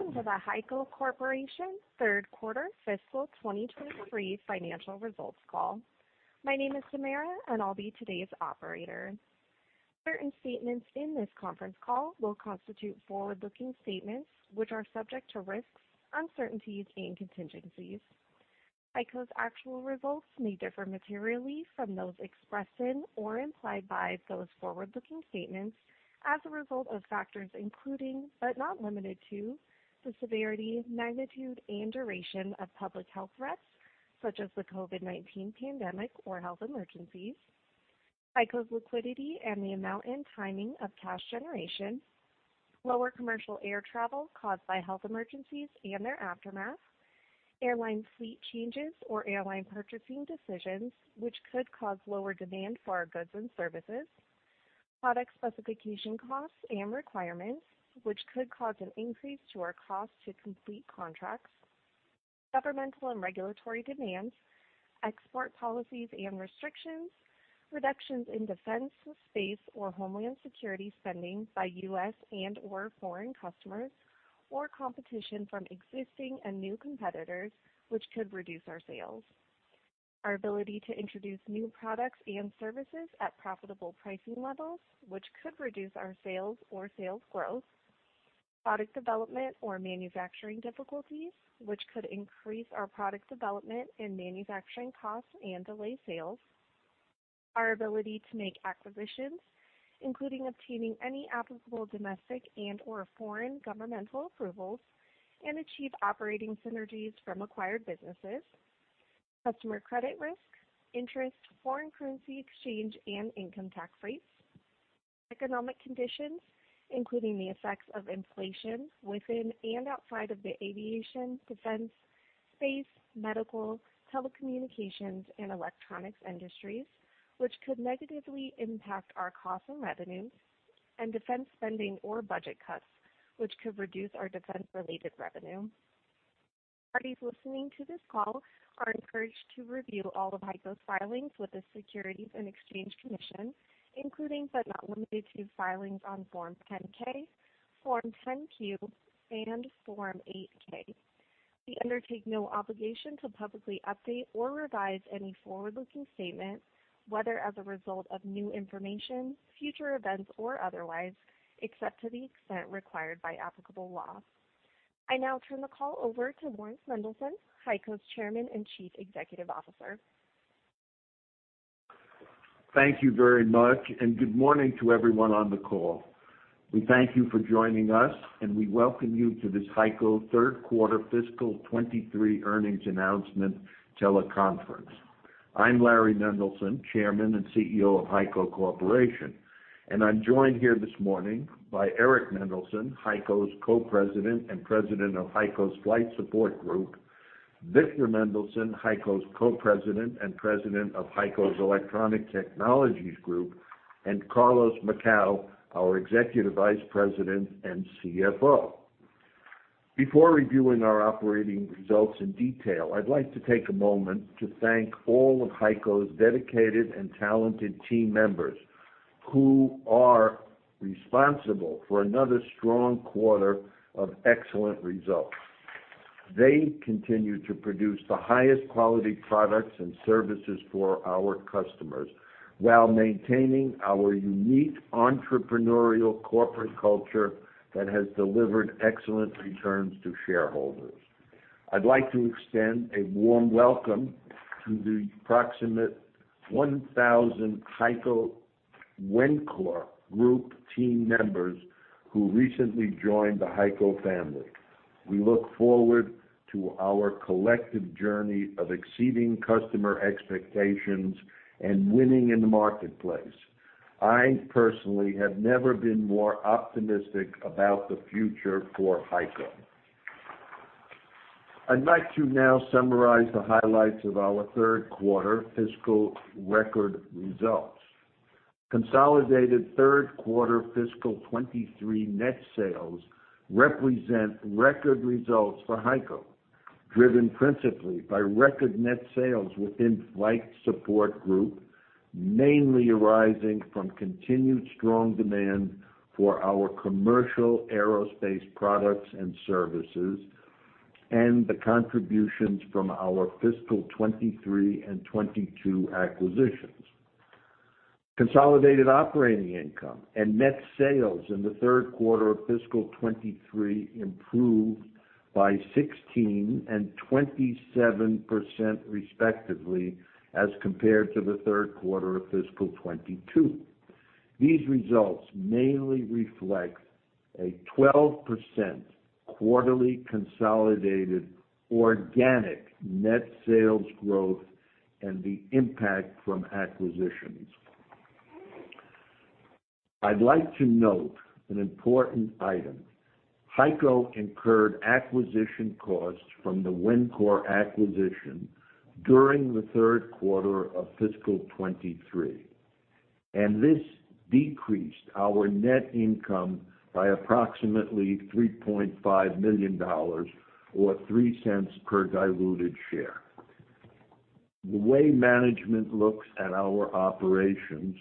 Welcome to the HEICO Corporation third quarter fiscal 2023 financial results call. My name is Samara, and I'll be today's operator. Certain statements in this conference call will constitute forward-looking statements, which are subject to risks, uncertainties, and contingencies. HEICO's actual results may differ materially from those expressed in or implied by those forward-looking statements as a result of factors including, but not limited to, the severity, magnitude, and duration of public health threats, such as the COVID-19 pandemic or health emergencies, HEICO's liquidity and the amount and timing of cash generation, lower commercial air travel caused by health emergencies and their aftermath, airline fleet changes or airline purchasing decisions, which could cause lower demand for our goods and services, product specification costs and requirements, which could cause an increase to our cost to complete contracts, governmental and regulatory demands, export policies and restrictions, reductions in defense, space, or homeland security spending by U.S. and/or foreign customers, or competition from existing and new competitors, which could reduce our sales. Our ability to introduce new products and services at profitable pricing levels, which could reduce our sales or sales growth, product development or manufacturing difficulties, which could increase our product development and manufacturing costs and delay sales, our ability to make acquisitions, including obtaining any applicable domestic and/or foreign governmental approvals and achieve operating synergies from acquired businesses, customer credit risk, interest, foreign currency exchange, and income tax rates, economic conditions, including the effects of inflation within and outside of the aviation, defense, space, medical, telecommunications, and electronics industries, which could negatively impact our costs and revenues and defense spending or budget cuts, which could reduce our defense-related revenue. Parties listening to this call are encouraged to review all of HEICO's filings with the Securities and Exchange Commission, including, but not limited to, filings on Form 10-K, Form 10-Q, and Form 8-K. We undertake no obligation to publicly update or revise any forward-looking statement, whether as a result of new information, future events, or otherwise, except to the extent required by applicable law. I now turn the call over to Laurans Mendelson, HEICO's Chairman and Chief Executive Officer. Thank you very much, and good morning to everyone on the call. We thank you for joining us, and we welcome you to this HEICO third quarter fiscal 2023 earnings announcement teleconference. I'm Laurans Mendelson, Chairman and CEO of HEICO Corporation, and I'm joined here this morning by Eric Mendelson, HEICO's Co-President and President of HEICO's Flight Support Group, Victor Mendelson, HEICO's Co-President and President of HEICO's Electronic Technologies Group, and Carlos Macau, our Executive Vice President and CFO. Before reviewing our operating results in detail, I'd like to take a moment to thank all of HEICO's dedicated and talented team members, who are responsible for another strong quarter of excellent results. They continue to produce the highest quality products and services for our customers while maintaining our unique entrepreneurial corporate culture that has delivered excellent returns to shareholders. I'd like to extend a warm welcome to the approximate 1,000 HEICO Wencor Group team members who recently joined the HEICO family. We look forward to our collective journey of exceeding customer expectations and winning in the marketplace. I personally have never been more optimistic about the future for HEICO. I'd like to now summarize the highlights of our third quarter fiscal record results. Consolidated third quarter fiscal 2023 net sales represent record results for HEICO, driven principally by record net sales within Flight Support Group, mainly arising from continued strong demand for our commercial aerospace products and services and the contributions from our fiscal 2023 and 2022 acquisitions. Consolidated operating income and net sales in the third quarter of fiscal 2023 improved by 16% and 27%, respectively, as compared to the third quarter of fiscal 2022. These results mainly reflect a 12% quarterly consolidated organic net sales growth and the impact from acquisitions. I'd like to note an important item. HEICO incurred acquisition costs from the Wencor acquisition during the third quarter of fiscal 2023, and this decreased our net income by approximately $3.5 million or $0.03 per diluted share. The way management looks at our operations,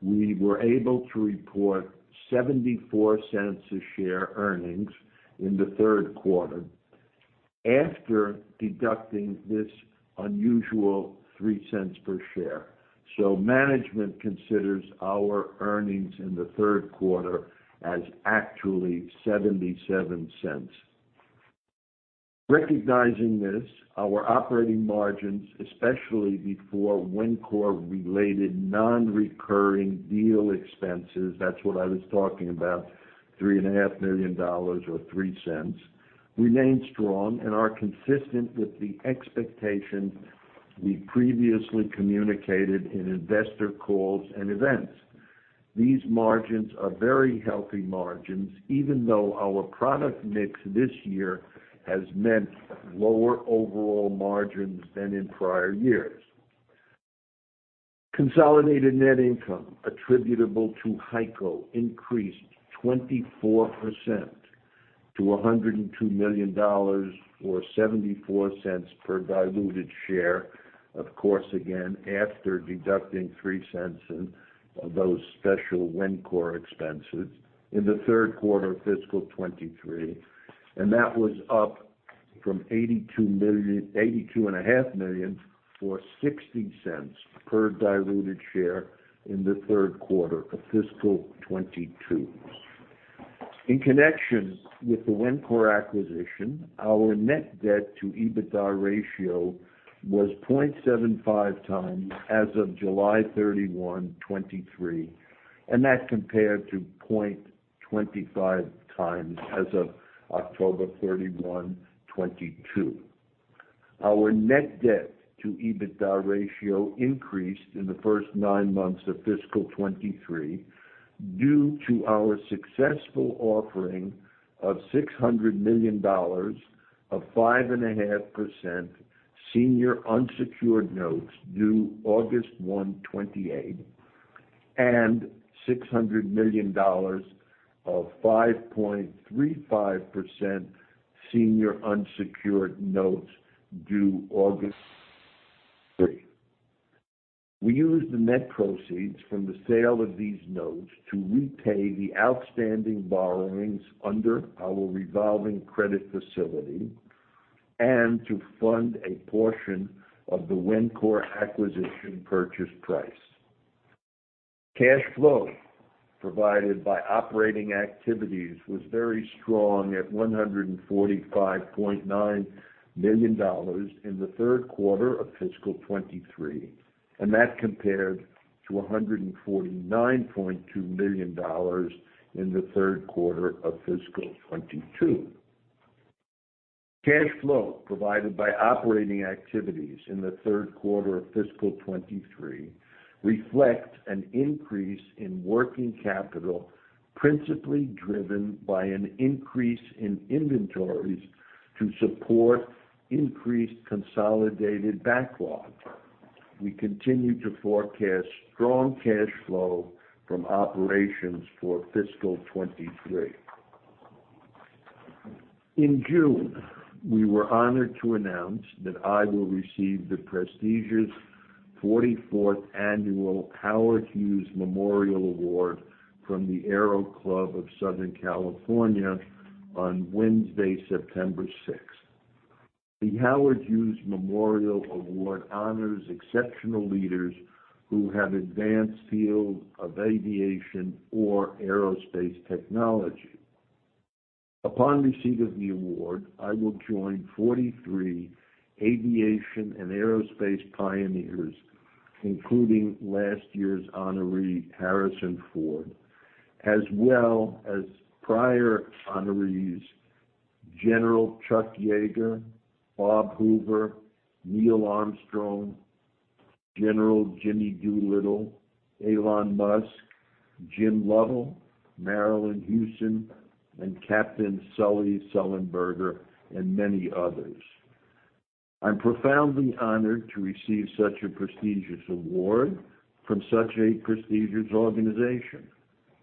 we were able to report $0.74 per share earnings in the third quarter after deducting this unusual $0.03 per share. So management considers our earnings in the third quarter as actually $0.77. Recognizing this, our operating margins, especially before Wencor-related non-recurring deal expenses, that's what I was talking about, $3.5 million or $0.03, remain strong and are consistent with the expectation we previously communicated in investor calls and events. These margins are very healthy margins, even though our product mix this year has meant lower overall margins than in prior years. Consolidated net income attributable to HEICO increased 24% to $102 million, or $0.74 per diluted share. Of course, again, after deducting $0.03 one of those special Wencor expenses in the third quarter of fiscal 2023, and that was up from $82-- $82.5 million, or $0.60 per diluted share in the third quarter of fiscal 2022. In connection with the Wencor acquisition, our net-debt-to-EBITDA ratio was 0.75x as of July 31, 2023, and that compared to 0.25x as of October 31, 2022. Our net debt to EBITDA ratio increased in the first nine months of fiscal 2023, due to our successful offering of $600 million of 5.5% senior unsecured notes due August 1, 2028, and $600 million of 5.35% senior unsecured notes due August 3, 2028. We used the net proceeds from the sale of these notes to repay the outstanding borrowings under our revolving credit facility and to fund a portion of the Wencor acquisition purchase price. Cash flow provided by operating activities was very strong at $145.9 million in the third quarter of fiscal 2023, and that compared to $149.2 million in the third quarter of fiscal 2022. Cash flow provided by operating activities in the third quarter of fiscal 2023 reflects an increase in working-capital, principally driven by an increase in inventories to support increased consolidated backlog. We continue to forecast strong cash flow from operations for fiscal 2023. In June, we were honored to announce that I will receive the prestigious 44th Annual Howard Hughes Memorial Award from the Aero Club of Southern California on Wednesday, September 6th. The Howard Hughes Memorial Award honors exceptional leaders who have advanced fields of aviation or aerospace technology. Upon receipt of the award, I will join 43 aviation and aerospace pioneers, including last year's honoree, Harrison Ford, as well as prior honorees General Chuck Yeager, Bob Hoover, Neil Armstrong, General Jimmy Doolittle, Elon Musk, Jim Lovell, Marillyn Hewson, and Captain Sully Sullenberger, and many others. I'm profoundly honored to receive such a prestigious award from such a prestigious organization,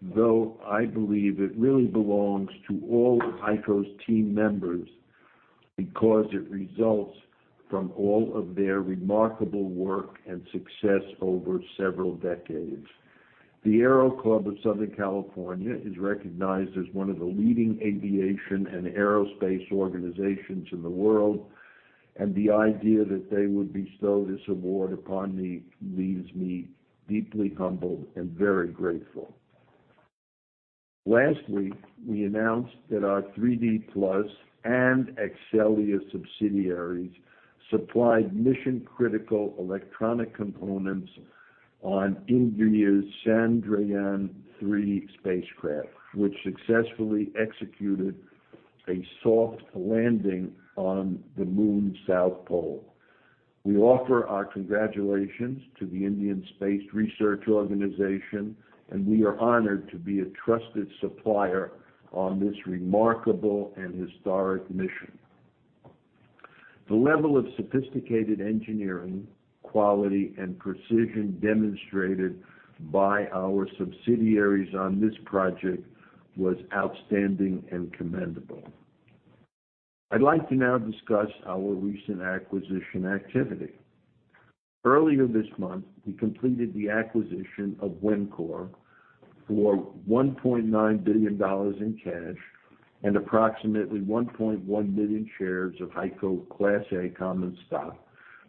though I believe it really belongs to all of HEICO's team members, because it results from all of their remarkable work and success over several decades. The Aero Club of Southern California is recognized as one of the leading aviation and aerospace organizations in the world, and the idea that they would bestow this award upon me leaves me deeply humbled and very grateful. Lastly, we announced that our 3D Plus and Exxelia subsidiaries supplied mission-critical electronic components on India's Chandrayaan-3 spacecraft, which successfully executed a soft landing on the moon's South Pole. We offer our congratulations to the Indian Space Research Organisation, and we are honored to be a trusted supplier on this remarkable and historic mission. The level of sophisticated engineering, quality, and precision demonstrated by our subsidiaries on this project was outstanding and commendable. I'd like to now discuss our recent acquisition activity. Earlier this month, we completed the acquisition of Wencor for $1.9 billion in cash and approximately 1.1 million shares of HEICO Class A common stock,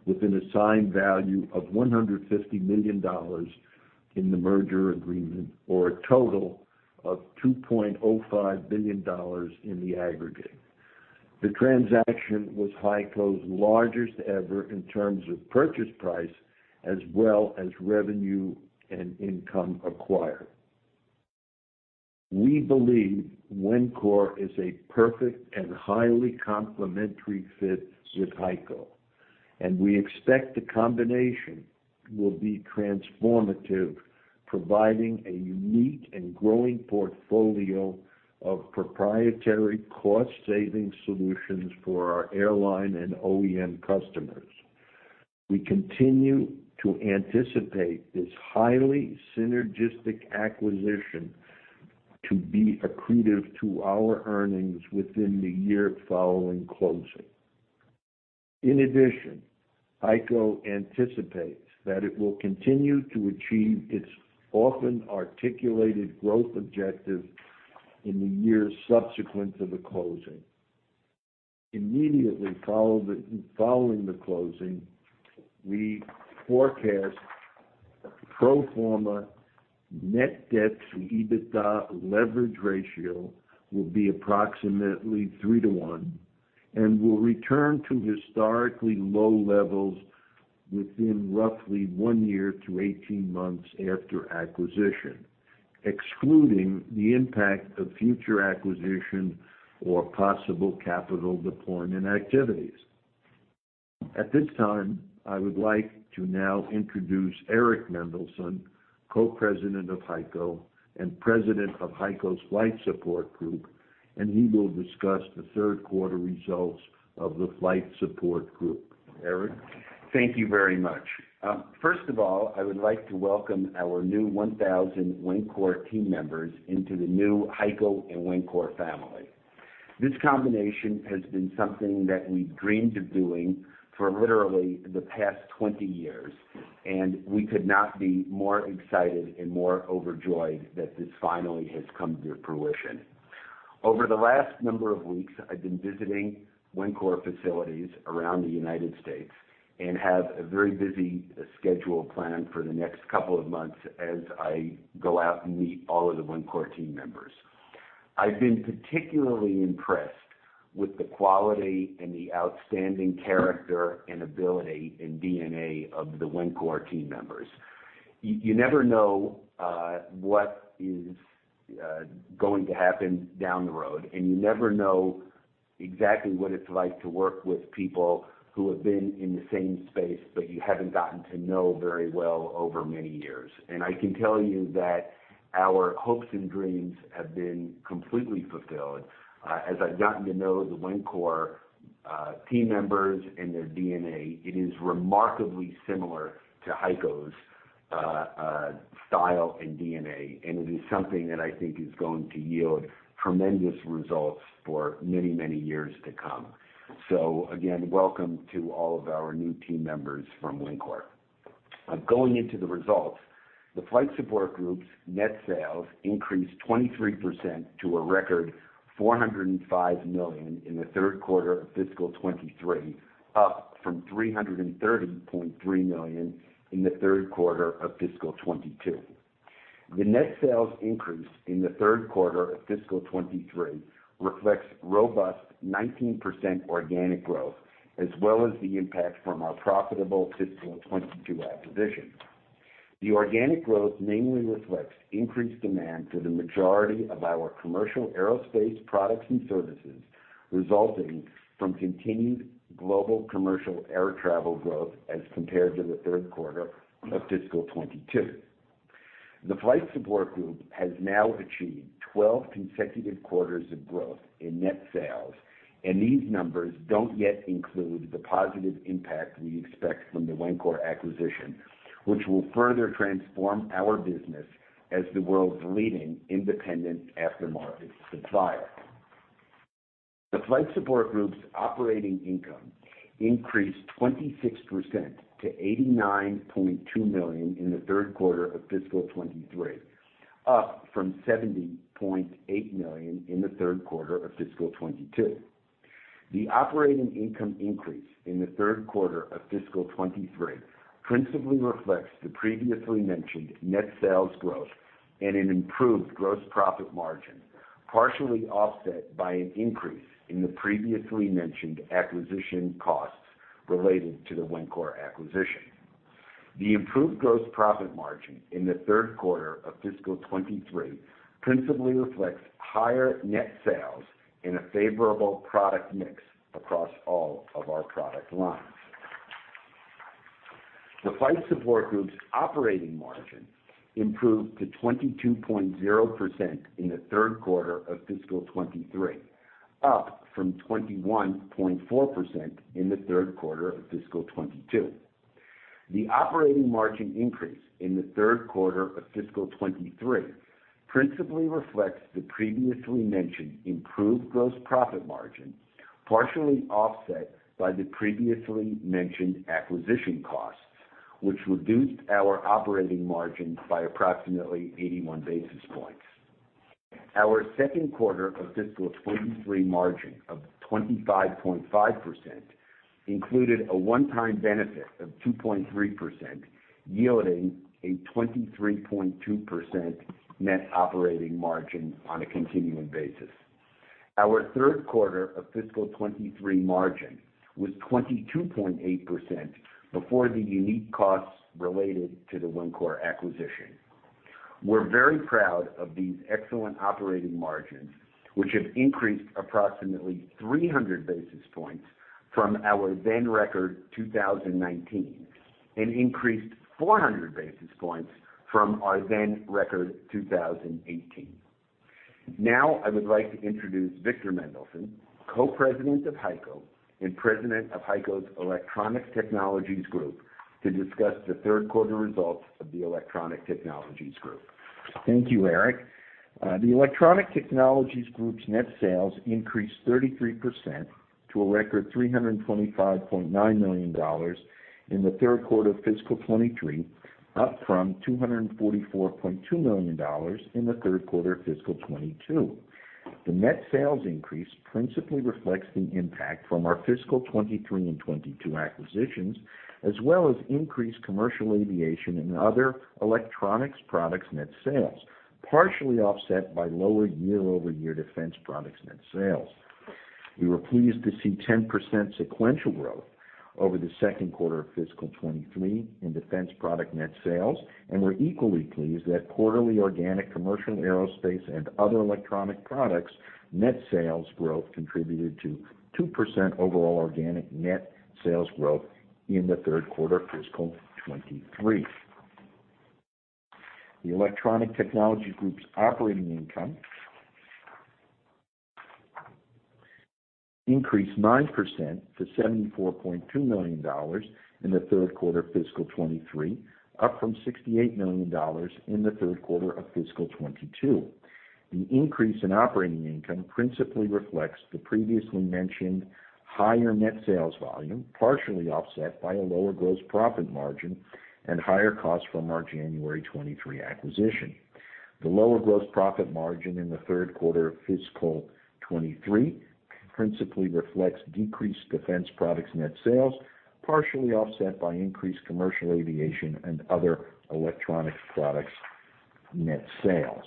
with an assigned value of $150 million in the merger agreement, or a total of $2.05 billion in the aggregate. The transaction was HEICO's largest ever in terms of purchase price, as well as revenue and income acquired. We believe Wencor is a perfect and highly complementary fit with HEICO, and we expect the combination will be transformative, providing a unique and growing portfolio of proprietary cost-saving solutions for our airline and OEM customers. We continue to anticipate this highly synergistic acquisition to be accretive to our earnings within the year following closing. In addition, HEICO anticipates that it will continue to achieve its often articulated growth objective in the years subsequent to the closing. Immediately following the closing, we forecast pro-forma net-debt-to-EBITDA leverage ratio will be approximately 3:1, and will return to historically low levels within roughly 1 year to 18 months after acquisition, excluding the impact of future acquisition or possible capital deployment activities. At this time, I would like to now introduce Eric Mendelson, Co-President of HEICO and President of HEICO's Flight Support Group, and he will discuss the third quarter results of the Flight Support Group. Eric? Thank you very much. First of all, I would like to welcome our new 1,000 Wencor team members into the new HEICO and Wencor family. This combination has been something that we've dreamed of doing for literally the past 20 years, and we could not be more excited and more overjoyed that this finally has come to fruition. Over the last number of weeks, I've been visiting Wencor facilities around the United States and have a very busy schedule planned for the next couple of months as I go out and meet all of the Wencor team members. I've been particularly impressed with the quality and the outstanding character and ability and DNA of the Wencor team members. You, you never know what is going to happen down the road, and you never know exactly what it's like to work with people who have been in the same space, but you haven't gotten to know very well over many years. And I can tell you that our hopes and dreams have been completely fulfilled. As I've gotten to know the Wencor team members and their DNA, it is remarkably similar to HEICO's style and DNA, and it is something that I think is going to yield tremendous results for many, many years to come. So again, welcome to all of our new team members from Wencor. Going into the results, the Flight Support Group's net sales increased 23% to a record $405 million in the third quarter of fiscal 2023, up from $330.3 million in the third quarter of fiscal 2022. The net sales increase in the third quarter of fiscal 2023 reflects robust 19% organic growth, as well as the impact from our profitable fiscal 2022 acquisition. The organic growth mainly reflects increased demand for the majority of our commercial aerospace products and services, resulting from continued global commercial air travel growth as compared to the third quarter of fiscal 2022. The Flight Support Group has now achieved 12 consecutive quarters of growth in net sales, and these numbers don't yet include the positive impact we expect from the Wencor acquisition, which will further transform our business as the world's leading independent aftermarket supplier. The Flight Support Group's operating income increased 26% to $89.2 million in the third quarter of fiscal 2023, up from $70.8 million in the third quarter of fiscal 2022. The operating income increase in the third quarter of fiscal 2023 principally reflects the previously mentioned net sales growth and an improved gross profit margin, partially offset by an increase in the previously mentioned acquisition costs related to the Wencor acquisition. The improved gross profit margin in the third quarter of fiscal 2023 principally reflects higher net sales and a favorable product mix across all of our product lines. The Flight Support Group's operating margin improved to 22.0% in the third quarter of fiscal 2023, up from 21.4% in the third quarter of fiscal 2022.... The operating margin increase in the third quarter of fiscal 2023 principally reflects the previously mentioned improved gross profit margin, partially offset by the previously mentioned acquisition costs, which reduced our operating margin by approximately 81 basis points. Our second quarter of fiscal 2023 margin of 25.5% included a one-time benefit of 2.3%, yielding a 23.2% net operating margin on a continuing basis. Our third quarter of fiscal 2023 margin was 22.8% before the unique costs related to the Wencor acquisition. We're very proud of these excellent operating margins, which have increased approximately 300 basis points from our then record, 2019, and increased 400 basis points from our then record, 2018. Now, I would like to introduce Victor Mendelson, Co-President of HEICO and President of HEICO's Electronic Technologies Group, to discuss the third quarter results of the Electronic Technologies Group. Thank you, Eric. The Electronic Technologies Group's net sales increased 33% to a record $325.9 million in the third quarter of fiscal 2023, up from $244.2 million in the third quarter of fiscal 2022. The net sales increase principally reflects the impact from our fiscal 2023 and 2022 acquisitions, as well as increased commercial aviation and other electronics products net sales, partially offset by lower year-over-year defense products net sales. We were pleased to see 10% sequential growth over the second quarter of fiscal 2023 in defense product net sales, and we're equally pleased that quarterly organic commercial aerospace and other electronic products net sales growth contributed to 2% overall organic net sales growth in the third quarter of fiscal 2023. The Electronic Technologies Group's operating income increased 9% to $74.2 million in the third quarter of fiscal 2023, up from $68 million in the third quarter of fiscal 2022. The increase in operating income principally reflects the previously mentioned higher net sales volume, partially offset by a lower gross profit margin and higher costs from our January 2023 acquisition. The lower gross profit margin in the third quarter of fiscal 2023 principally reflects decreased defense products net sales, partially offset by increased commercial aviation and other electronic products net sales.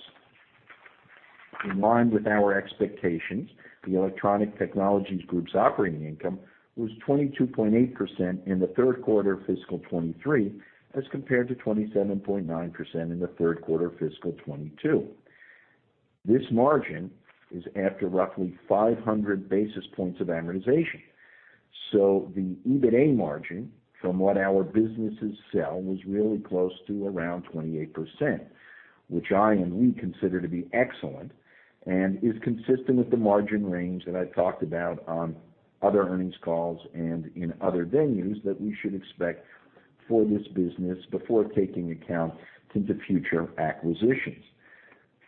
In line with our expectations, the Electronic Technologies Group's operating income was 22.8% in the third quarter of fiscal 2023, as compared to 27.9% in the third quarter of fiscal 2022. This margin is after roughly 500 basis points of amortization, so the EBITDA margin from what our businesses sell was really close to around 28%, which I and we consider to be excellent and is consistent with the margin range that I've talked about on other earnings calls and in other venues, that we should expect for this business before taking account to the future acquisitions.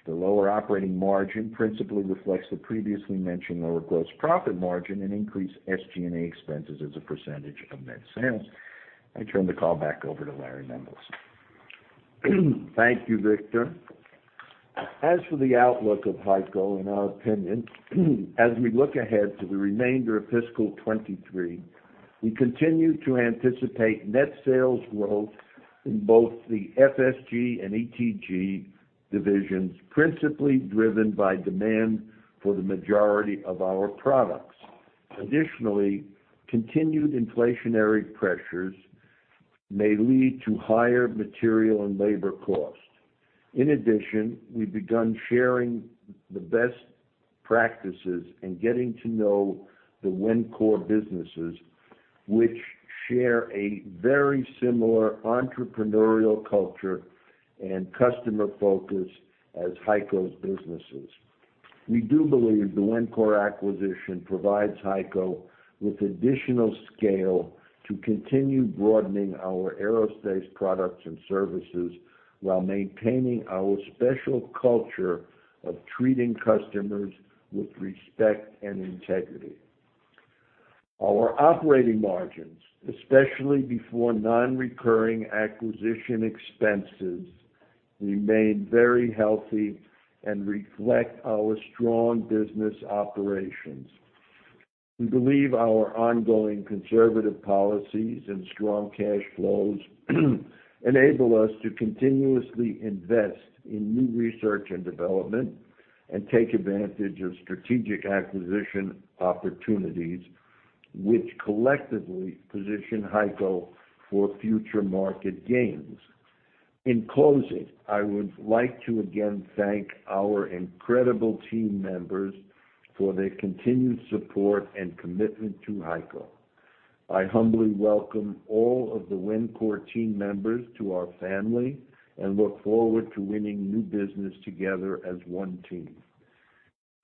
The lower operating margin principally reflects the previously mentioned lower gross profit margin and increased SG&A expenses as a percentage of net sales. I turn the call back over to Laurans Mendelson. Thank you, Victor. As for the outlook of HEICO, in our opinion, as we look ahead to the remainder of fiscal 2023, we continue to anticipate net sales growth in both the FSG and ETG divisions, principally driven by demand for the majority of our products. Additionally, continued inflationary pressures may lead to higher material and labor costs. In addition, we've begun sharing the best practices and getting to know the Wencor businesses, which share a very similar entrepreneurial culture and customer focus as HEICO's businesses. We do believe the Wencor acquisition provides HEICO with additional scale to continue broadening our aerospace products and services, while maintaining our special culture of treating customers with respect and integrity. Our operating margins, especially before non-recurring acquisition expenses, remain very healthy and reflect our strong business operations. We believe our ongoing conservative policies and strong cash flows enable us to continuously invest in new research and development and take advantage of strategic acquisition opportunities, which collectively position HEICO for future market gains. In closing, I would like to again thank our incredible team members for their continued support and commitment to HEICO. I humbly welcome all of the Wencor team members to our family and look forward to winning new business together as one team.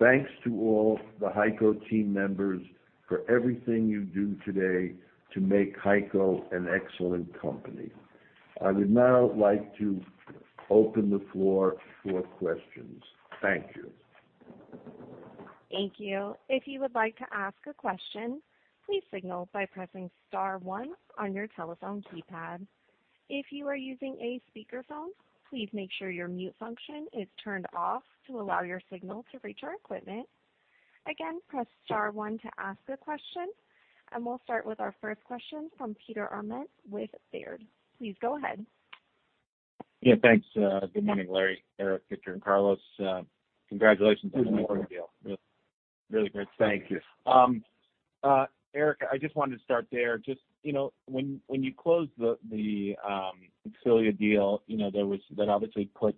Thanks to all the HEICO team members for everything you do today to make HEICO an excellent company. I would now like to open the floor for questions. Thank you. Thank you. If you would like to ask a question, please signal by pressing star one on your telephone keypad. If you are using a speakerphone, please make sure your mute function is turned off to allow your signal to reach our equipment. Again, press star one to ask a question, and we'll start with our first question from Peter Arment with Baird. Please go ahead. Yeah, thanks. Good morning, Larry, Eric, Victor, and Carlos. Congratulations on the deal. Really great. Thank you. Eric, I just wanted to start there. Just, you know, when you closed the Accelia deal, you know, there was, that obviously put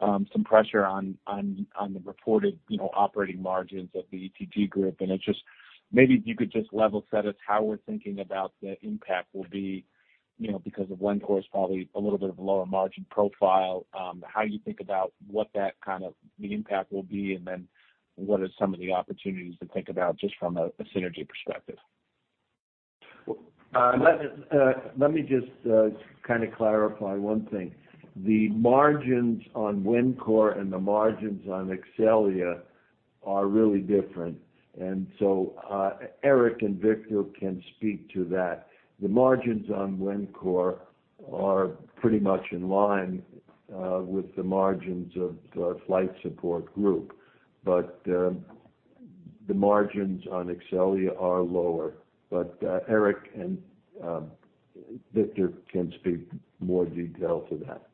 some pressure on the reported, you know, operating margins of the ETG group. And it just, maybe if you could just level set us how we're thinking about the impact will be, you know, because of Wencor's probably a little bit of a lower margin profile, how you think about what that kind of the impact will be, and then what are some of the opportunities to think about just from a synergy perspective? Let me just kind of clarify one thing. The margins on Wencor and the margins on Exxelia are really different, and so Eric and Victor can speak to that. The margins on Wencor are pretty much in line with the margins of the Flight Support Group, but the margins on Exxelia are lower. Eric and Victor can speak more detail to that.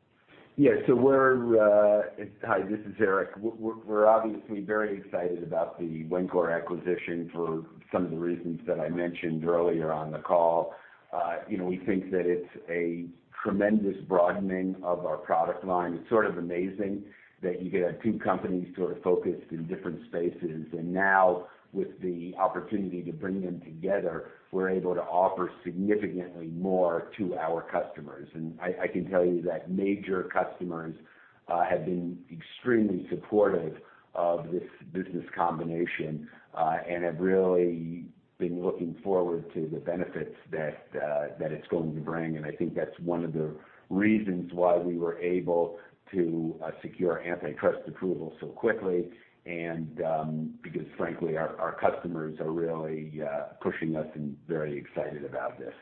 Yes, so we're, Hi, this is Eric. We're obviously very excited about the Wencor acquisition for some of the reasons that I mentioned earlier on the call. You know, we think that it's a tremendous broadening of our product line. It's sort of amazing that you could have two companies sort of focused in different spaces, and now, with the opportunity to bring them together, we're able to offer significantly more to our customers. And I can tell you that major customers have been extremely supportive of this business combination, and have really been looking forward to the benefits that it's going to bring. And I think that's one of the reasons why we were able to secure antitrust approval so quickly, and because frankly, our customers are really pushing us and very excited about this.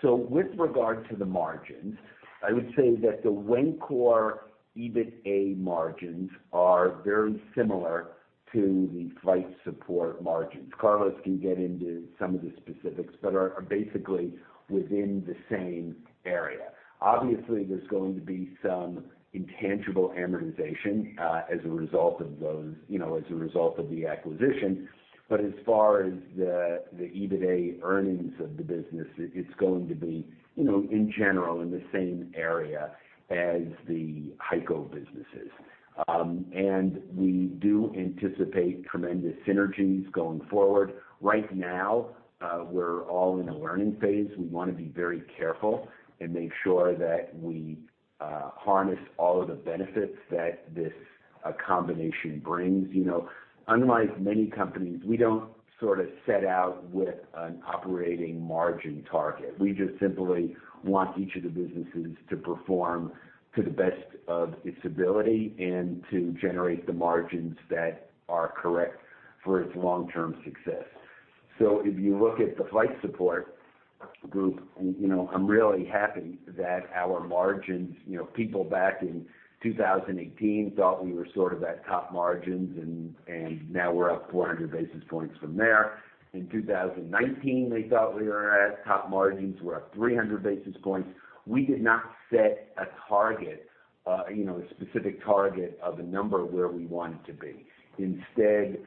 So with regard to the margins, I would say that the Wencor EBITDA margins are very similar to the Flight Support margins. Carlos can get into some of the specifics, but are basically within the same area. Obviously, there's going to be some intangible amortization, as a result of those, you know, as a result of the acquisition. But as far as the EBITDA earnings of the business, it's going to be, you know, in general, in the same area as the HEICO businesses. And we do anticipate tremendous synergies going forward. Right now, we're all in a learning phase. We want to be very careful and make sure that we harness all of the benefits that this combination brings. You know, unlike many companies, we don't sort of set out with an operating margin target. We just simply want each of the businesses to perform to the best of its ability and to generate the margins that are correct for its long-term success. So if you look at the Flight Support Group, you know, I'm really happy that our margins, you know, people back in 2018 thought we were sort of at top margins, and now we're up 400 basis points from there. In 2019, they thought we were at top margins, we're up 300 basis points. We did not set a target, you know, a specific target of a number where we wanted to be. Instead,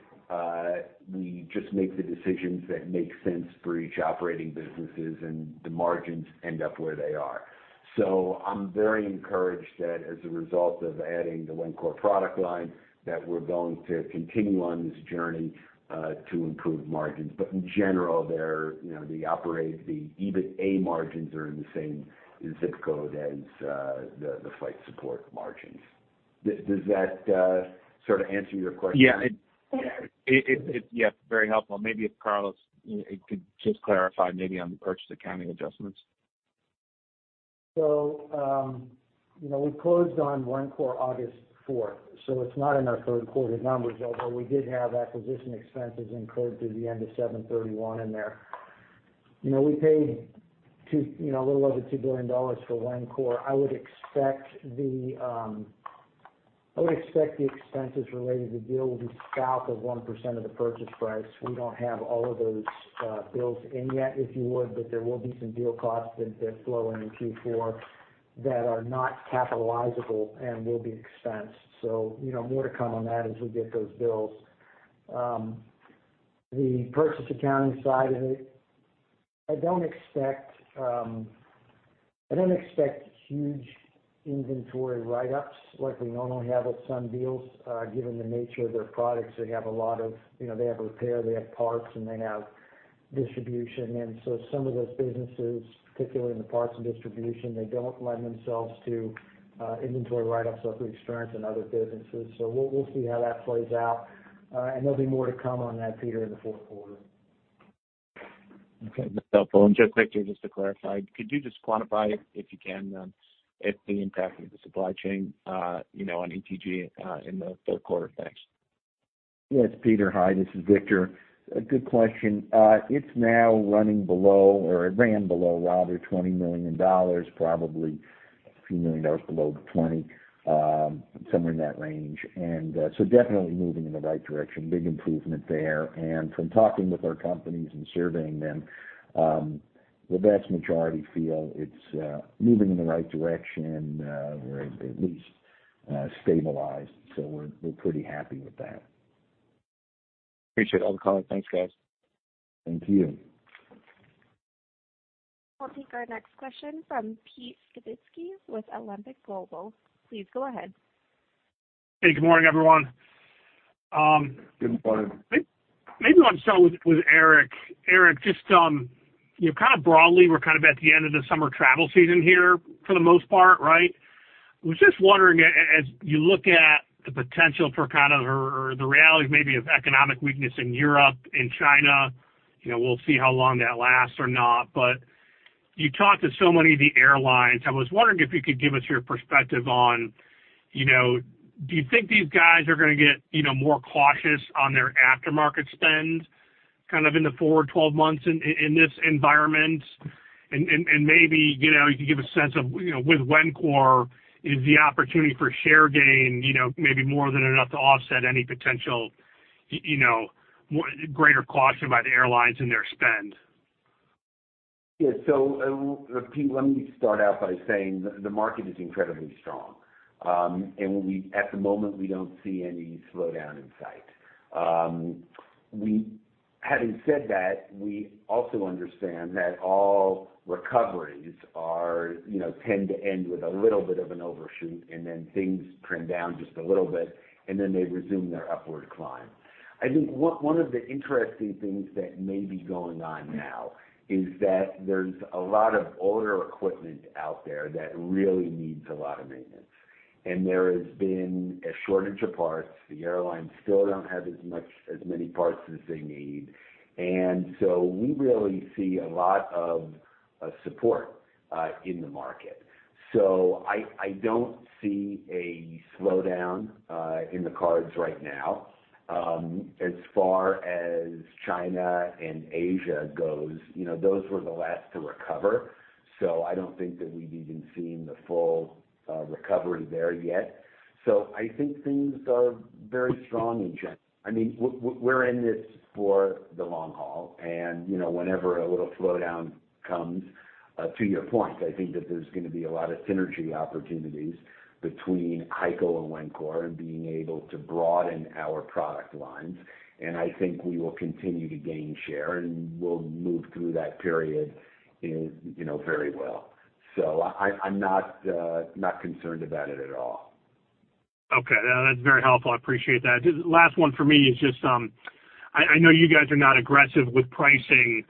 we just make the decisions that make sense for each operating businesses, and the margins end up where they are. So I'm very encouraged that as a result of adding the Wencor product line, that we're going to continue on this journey to improve margins. But in general, they're, you know, the EBITDA margins are in the same zip code as the Flight Support margins. Does that sort of answer your question? Yeah, yes, very helpful. Maybe if Carlos could just clarify maybe on the purchase accounting adjustments. So, you know, we closed on Wencor August fourth, so it's not in our third quarter numbers, although we did have acquisition expenses include through the end of July 31 in there. You know, we paid a little over $2 billion for Wencor. I would expect the expenses related to the deal will be south of 1% of the purchase price. We don't have all of those bills in yet, if you would, but there will be some deal costs that flow in in Q4, that are not capitalizable and will be expensed. So, you know, more to come on that as we get those bills. The purchase accounting side of it, I don't expect huge inventory write-ups like we normally have with some deals, given the nature of their products. They have a lot of, you know, they have repair, they have parts, and they have... distribution. And so some of those businesses, particularly in the parts and distribution, they don't lend themselves to inventory write-ups or for experience in other businesses. So we'll see how that plays out, and there'll be more to come on that, Peter, in the fourth quarter. Okay, that's helpful. Just quickly, just to clarify, could you just quantify, if you can, the impact of the supply chain, you know, on ETG in the third quarter? Thanks. Yes, Peter. Hi, this is Victor. A good question. It's now running below, or it ran below rather, $20 million, probably a few million dollars below $20, somewhere in that range. And so definitely moving in the right direction. Big improvement there. And from talking with our companies and surveying them, the vast majority feel it's moving in the right direction, or at least stabilized. So we're pretty happy with that. Appreciate all the comments. Thanks, guys. Thank you. We'll take our next question from Pete Skibitski with Alembic Global. Please go ahead. Hey, good morning, everyone. Good morning. Maybe I'll start with Eric. Eric, just, you know, kind of broadly, we're kind of at the end of the summer travel season here for the most part, right? I was just wondering, as you look at the potential for kind of, or the realities maybe of economic weakness in Europe and China, you know, we'll see how long that lasts or not. But you talked to so many of the airlines. I was wondering if you could give us your perspective on, you know, do you think these guys are gonna get, you know, more cautious on their aftermarket spend, kind of in the four or 12 months in this environment? Maybe, you know, you can give a sense of, you know, with Wencor, is the opportunity for share gain, you know, maybe more than enough to offset any potential, you know, greater caution by the airlines and their spend? Yeah. So, Pete, let me start out by saying the market is incredibly strong. And we at the moment, we don't see any slowdown in sight. We, having said that, we also understand that all recoveries are, you know, tend to end with a little bit of an overshoot, and then things trim down just a little bit, and then they resume their upward climb. I think one of the interesting things that may be going on now is that there's a lot of older equipment out there that really needs a lot of maintenance, and there has been a shortage of parts. The airlines still don't have as many parts as they need, and so we really see a lot of support in the market. So I don't see a slowdown in the cards right now. As far as China and Asia goes, you know, those were the last to recover, so I don't think that we've even seen the full recovery there yet. So I think things are very strong in general. I mean, we're in this for the long haul, and, you know, whenever a little slowdown comes, to your point, I think that there's gonna be a lot of synergy opportunities between HEICO and Wencor and being able to broaden our product lines. And I think we will continue to gain share, and we'll move through that period in, you know, very well. So I, I'm not, not concerned about it at all. Okay. That's very helpful. I appreciate that. Just last one for me is just, I know you guys are not aggressive with pricing,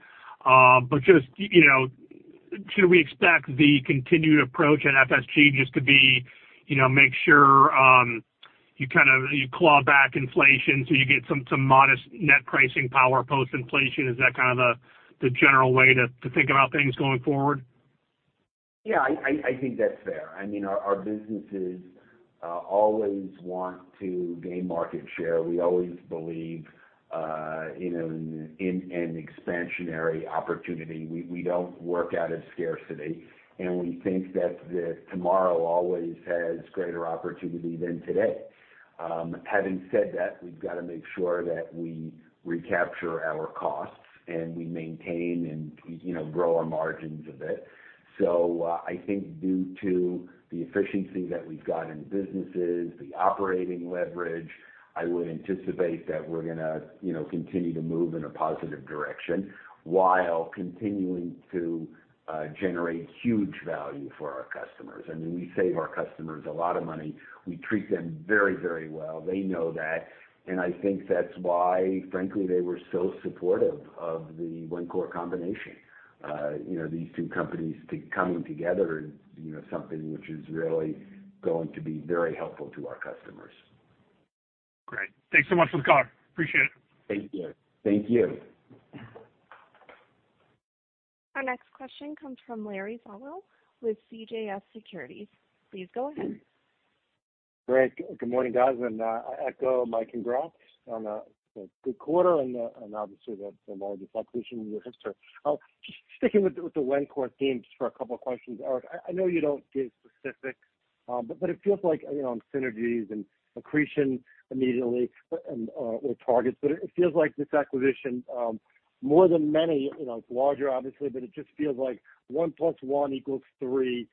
but just, you know, should we expect the continued approach at FSG just to be, you know, make sure, you kind of claw back inflation so you get some modest net pricing power post-inflation? Is that kind of the general way to think about things going forward? Yeah, I think that's fair. I mean, our businesses always want to gain market share. We always believe in an expansionary opportunity. We don't work out of scarcity, and we think that tomorrow always has greater opportunity than today. Having said that, we've got to make sure that we recapture our costs, and we maintain and, you know, grow our margins a bit. So, I think due to the efficiency that we've got in the businesses, the operating leverage, I would anticipate that we're gonna, you know, continue to move in a positive direction while continuing to generate huge value for our customers. I mean, we save our customers a lot of money. We treat them very, very well. They know that, and I think that's why, frankly, they were so supportive of the Wencor combination. You know, these two companies coming together in, you know, something which is really going to be very helpful to our customers. Great. Thanks so much for the call. Appreciate it. Thank you. Thank you. Our next question comes from Larry Solow with CJS Securities. Please go ahead. Great. Good morning, guys, and I echo my congrats on a good quarter and obviously, the largest acquisition in your history. Just sticking with the Wencor theme just for a couple of questions. Eric, I know you don't give specifics, but it feels like, you know, on synergies and accretion immediately and or targets, but it feels like this acquisition, more than many, you know, it's larger, obviously, but it just feels like one plus one equals three,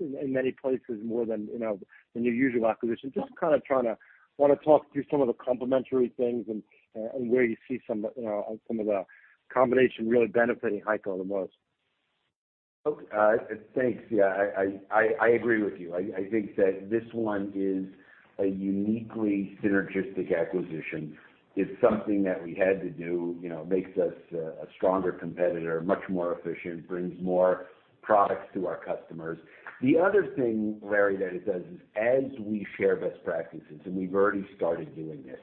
in many places more than, you know, than your usual acquisition. Just kind of trying to want to talk through some of the complementary things and where you see some of the combination really benefiting HEICO the most.... Thanks. Yeah, I agree with you. I think that this one is a uniquely synergistic acquisition. It's something that we had to do, you know, makes us a stronger competitor, much more efficient, brings more products to our customers. The other thing, Larry, that it does is as we share best practices, and we've already started doing this,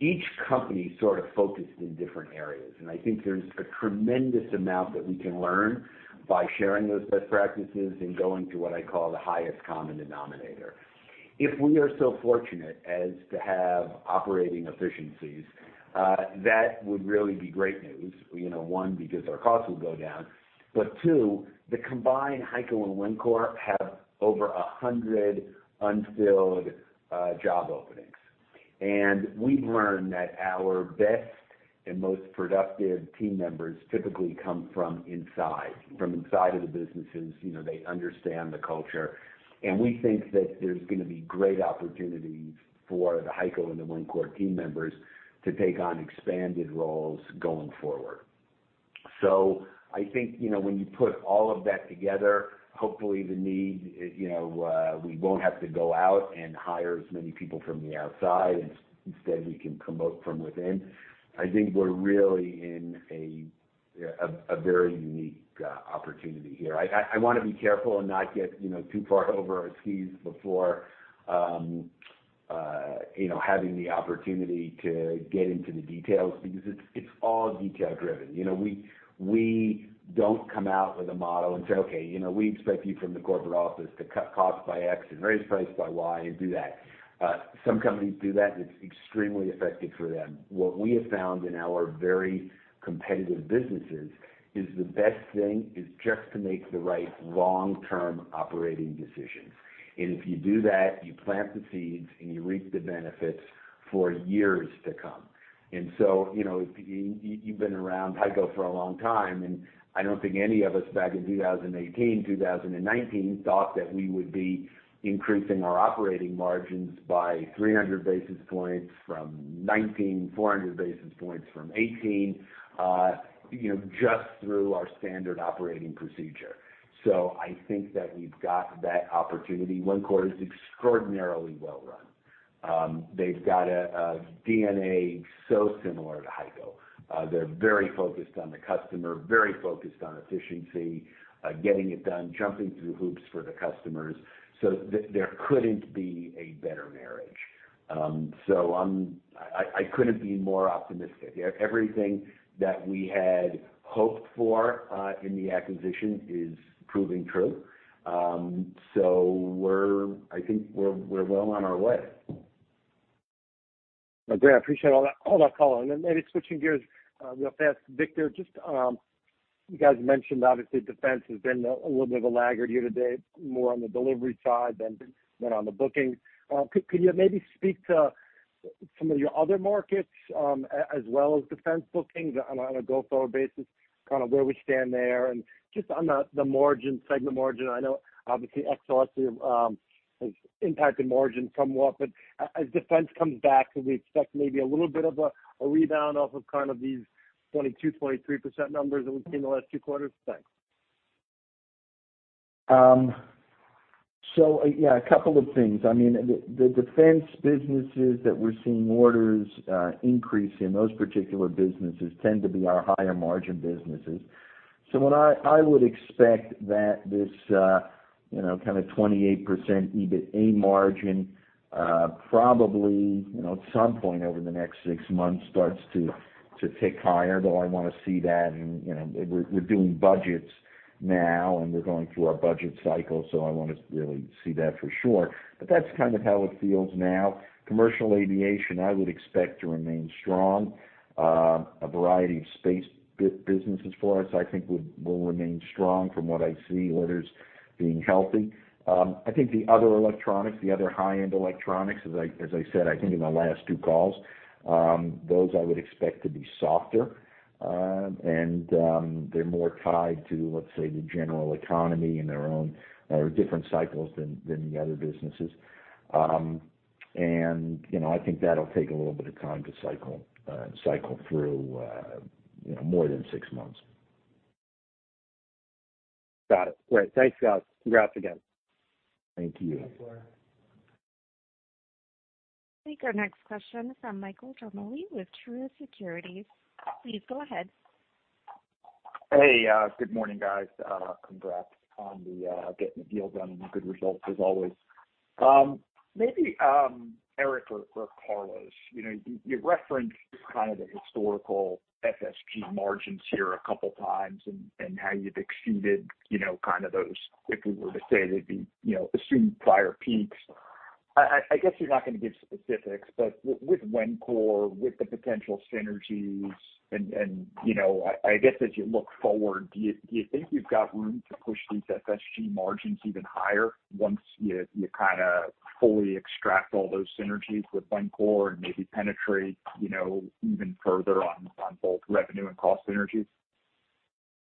each company sort of focused in different areas. And I think there's a tremendous amount that we can learn by sharing those best practices and going to what I call the highest common denominator. If we are so fortunate as to have operating efficiencies, that would really be great news. You know, one, because our costs will go down. But two, the combined HEICO and Wencor have over 100 unfilled job openings. We've learned that our best and most productive team members typically come from inside, from inside of the businesses. You know, they understand the culture, and we think that there's gonna be great opportunities for the HEICO and the Wencor team members to take on expanded roles going forward. So I think, you know, when you put all of that together, hopefully the need, you know, we won't have to go out and hire as many people from the outside, and instead we can promote from within. I think we're really in a very unique opportunity here. I wanna be careful and not get, you know, too far over our skis before, you know, having the opportunity to get into the details because it's all detail driven. You know, we don't come out with a model and say, "Okay, you know, we expect you from the corporate office to cut costs by X and raise prices by Y, and do that." Some companies do that, and it's extremely effective for them. What we have found in our very competitive businesses is the best thing is just to make the right long-term operating decisions. And if you do that, you plant the seeds, and you reap the benefits for years to come. And so, you know, you've been around HEICO for a long time, and I don't think any of us back in 2018, 2019, thought that we would be increasing our operating margins by 300 basis points from 2019, 400 basis points from 2018, you know, just through our standard operating procedure. So I think that we've got that opportunity. Wencor is extraordinarily well run. They've got a DNA so similar to HEICO. They're very focused on the customer, very focused on efficiency, getting it done, jumping through hoops for the customers, so there couldn't be a better marriage. So I'm—I couldn't be more optimistic. Everything that we had hoped for in the acquisition is proving true. So we're—I think we're well on our way. Great. I appreciate all that, all that, Carlos. And then maybe switching gears, real fast. Victor, just, you guys mentioned obviously, defense has been a little bit of a laggard year-to-date, more on the delivery side than on the bookings. Could you maybe speak to some of your other markets, as well as defense bookings on a go-forward basis, kind of where we stand there? And just on the margin, segment margin, I know obviously Exxelia has impacted margins somewhat, but as defense comes back, can we expect maybe a little bit of a rebound off of kind of these 22%, 23% numbers that we've seen in the last two quarters? Thanks. So yeah, a couple of things. I mean, the defense businesses that we're seeing orders increase in those particular businesses tend to be our higher margin businesses. So what I would expect that this, you know, kind of 28% EBITDA margin, probably, you know, at some point over the next six months, starts to tick higher, though I wanna see that. And, you know, we're doing budgets now, and we're going through our budget cycle, so I want to really see that for sure. But that's kind of how it feels now. Commercial aviation, I would expect to remain strong. A variety of space businesses for us, I think will remain strong from what I see, orders being healthy. I think the other electronics, the other high-end electronics, as I said, I think in my last two calls, those I would expect to be softer. And they're more tied to, let's say, the general economy and their own, or different cycles than the other businesses. And, you know, I think that'll take a little bit of time to cycle through, you know, more than six months. Got it. Great. Thanks, guys. Congrats again. Thank you. Thank you. I think our next question is from Michael Ciarmoli with Truist Securities. Please go ahead. Hey, good morning, guys. Congrats on the getting the deal done and the good results, as always. Maybe Eric or Carlos, you know, you referenced kind of the historical FSG margins here a couple times, and how you've exceeded, you know, kind of those, if we were to say they'd be, you know, assumed prior peaks. I guess you're not going to give specifics, but with Wencor, with the potential synergies and, you know, I guess as you look forward, do you think you've got room to push these FSG margins even higher once you kinda fully extract all those synergies with Wencor and maybe penetrate, you know, even further on both revenue and cost synergies?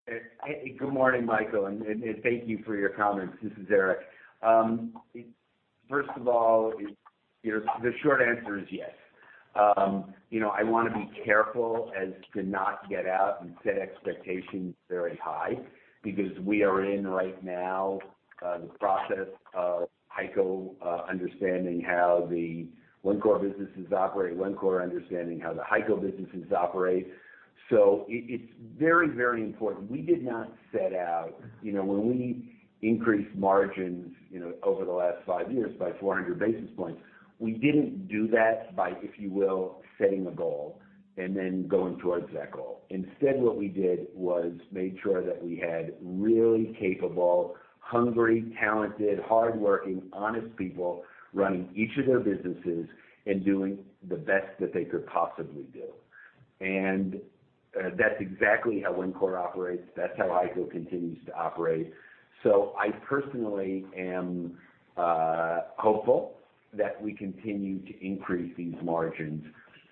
Good morning, Michael, and thank you for your comments. This is Eric. First of all, you know, the short answer is yes.... You know, I wanna be careful as to not get out and set expectations very high, because we are in, right now, the process of HEICO understanding how the Wencor business is operating, Wencor understanding how the HEICO businesses operate. So it, it's very, very important. We did not set out... You know, when we increased margins, you know, over the last five years by 400 basis points, we didn't do that by, if you will, setting a goal and then going towards that goal. Instead, what we did, was made sure that we had really capable, hungry, talented, hardworking, honest people running each of their businesses and doing the best that they could possibly do. And, that's exactly how Wencor operates, that's how HEICO continues to operate. So I personally am hopeful that we continue to increase these margins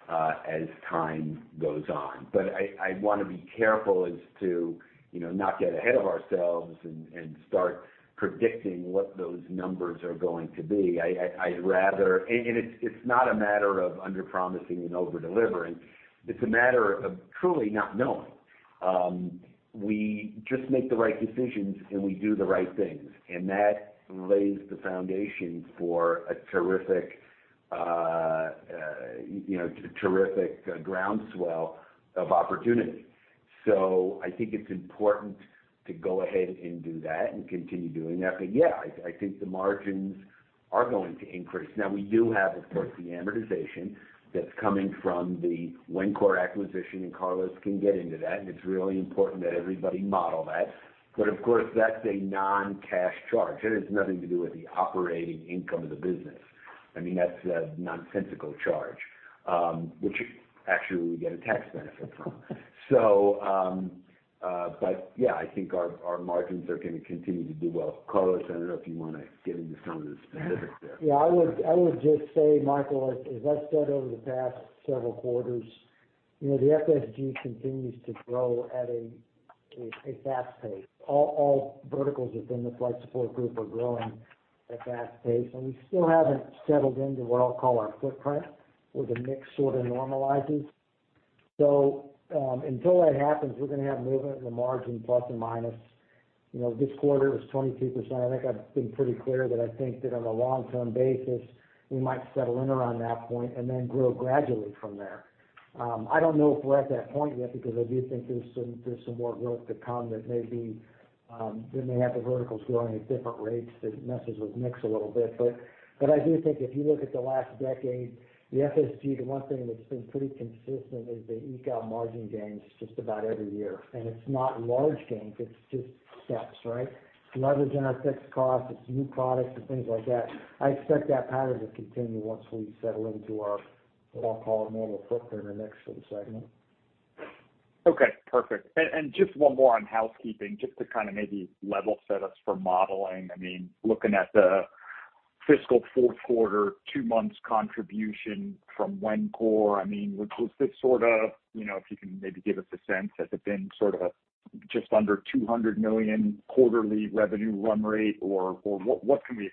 as time goes on. But I wanna be careful as to, you know, not get ahead of ourselves and start predicting what those numbers are going to be. I'd rather. And it's not a matter of underpromising and over-delivering, it's a matter of truly not knowing. We just make the right decisions, and we do the right things, and that lays the foundation for a terrific, you know, terrific groundswell of opportunity. So I think it's important to go ahead and do that, and continue doing that. But yeah, I think the margins are going to increase. Now, we do have, of course, the amortization that's coming from the Wencor acquisition, and Carlos can get into that, and it's really important that everybody model that. But of course, that's a non-cash charge. That has nothing to do with the operating income of the business. I mean, that's a nonsensical charge, which actually we get a tax benefit from. So, but yeah, I think our margins are gonna continue to do well. Carlos, I don't know if you wanna get into some of the specifics there? Yeah, I would just say, Michael, as I've said over the past several quarters, you know, the FSG continues to grow at a fast pace. All verticals within the Flight Support Group are growing at fast pace. And we still haven't settled into what I'll call our footprint, where the mix sort of normalizes. So, until that happens, we're gonna have movement in the margin, plus or minus. You know, this quarter it was 22%. I think I've been pretty clear that I think that on a long-term basis, we might settle in around that point and then grow gradually from there. I don't know if we're at that point yet, because I do think there's some more growth to come that may be, that may have the verticals growing at different rates, that messes with mix a little bit. But I do think if you look at the last decade, the FSG, the one thing that's been pretty consistent, is they eke out margin gains just about every year. And it's not large gains, it's just steps, right? Leverage in our fixed costs, it's new products and things like that. I expect that pattern to continue once we settle into our, what I'll call, normal footprint in the next sort of segment. Okay, perfect. And just one more on housekeeping, just to kind of maybe level set us for modeling. I mean, looking at the fiscal fourth quarter, two months contribution from Wencor, I mean, was this sort of, you know, if you can maybe give us a sense, has it been sort of just under $200 million quarterly revenue run rate, or what can we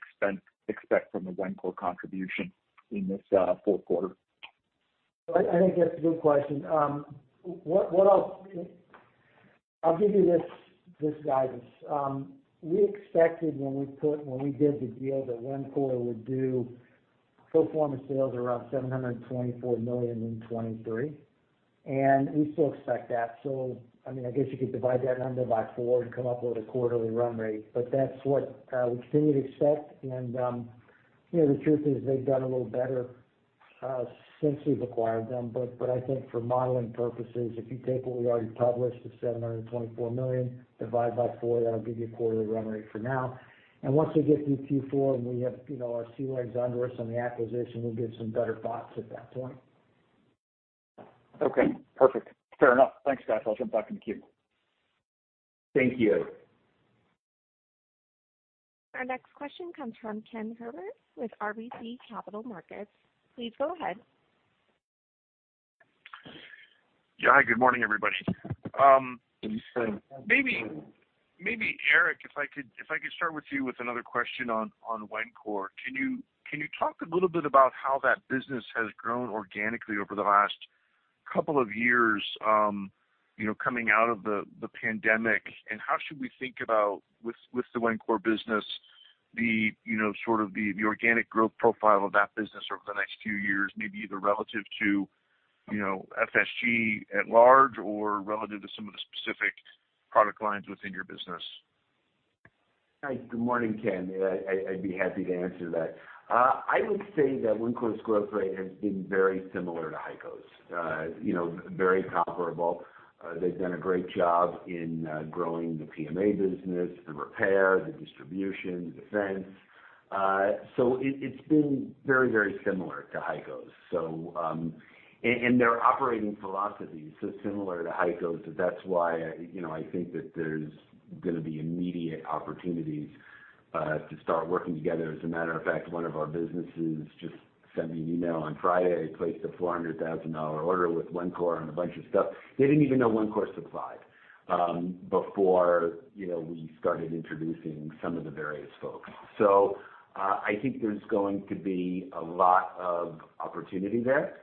expect from the Wencor contribution in this fourth quarter? I think that's a good question. What I'll give you this guidance. We expected when we did the deal, that Wencor would do pro-forma sales around $724 million in 2023, and we still expect that. So, I mean, I guess you could divide that number by four to come up with a quarterly run rate, but that's what we continue to expect. You know, the truth is, they've done a little better since we've acquired them. But I think for modeling purposes, if you take what we already published, the $724 million, divide by four, that'll give you a quarterly run rate for now. Once we get through Q4, and we have, you know, our sea legs under us on the acquisition, we'll give some better thoughts at that point. Okay, perfect. Fair enough. Thanks, guys. I'll jump back in the queue. Thank you. Our next question comes from Ken Herbert with RBC Capital Markets. Please go ahead. Yeah. Hi, good morning, everybody. Maybe, maybe Eric, if I could, if I could start with you with another question on, on Wencor. Can you, can you talk a little bit about how that business has grown organically over the last couple of years, you know, coming out of the, the pandemic? And how should we think about with, with the Wencor business, the, you know, sort of the, the organic growth profile of that business over the next few years, maybe either relative to, you know, FSG at large, or relative to some of the specific product lines within your business? Hi, good morning, Ken. I'd be happy to answer that. I would say that Wencor's growth rate has been very similar to HEICO's. You know, very comparable. They've done a great job in growing the PMA business, the repair, the distribution, the defense. So it's been very, very similar to HEICO's. So, and their operating philosophy is so similar to HEICO's, that that's why, you know, I think that there's gonna be immediate opportunities to start working together. As a matter of fact, one of our businesses just sent me an email on Friday, placed a $400,000 order with Wencor on a bunch of stuff. They didn't even know Wencor supplied before, you know, we started introducing some of the various folks. So, I think there's going to be a lot of opportunity there.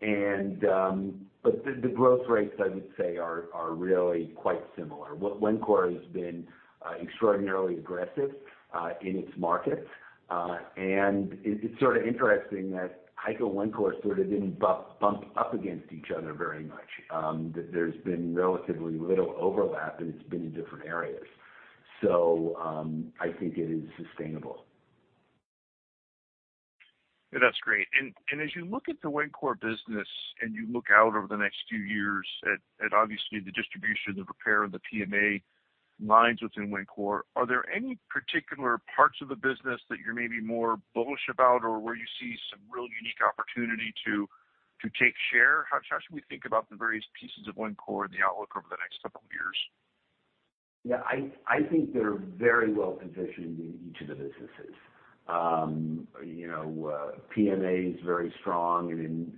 But the growth rates, I would say, are really quite similar. Wencor has been extraordinarily aggressive in its markets. And it's sort of interesting that HEICO-Wencor sort of didn't bump up against each other very much. That there's been relatively little overlap, and it's been in different areas. So, I think it is sustainable. Yeah, that's great. And, and as you look at the Wencor business, and you look out over the next few years at, at obviously, the distribution, the repair, and the PMA lines within Wencor, are there any particular parts of the business that you're maybe more bullish about, or where you see some real unique opportunity to, to take share? How, how should we think about the various pieces of Wencor and the outlook over the next couple of years? Yeah, I think they're very well positioned in each of the businesses. You know, PMA is very strong and in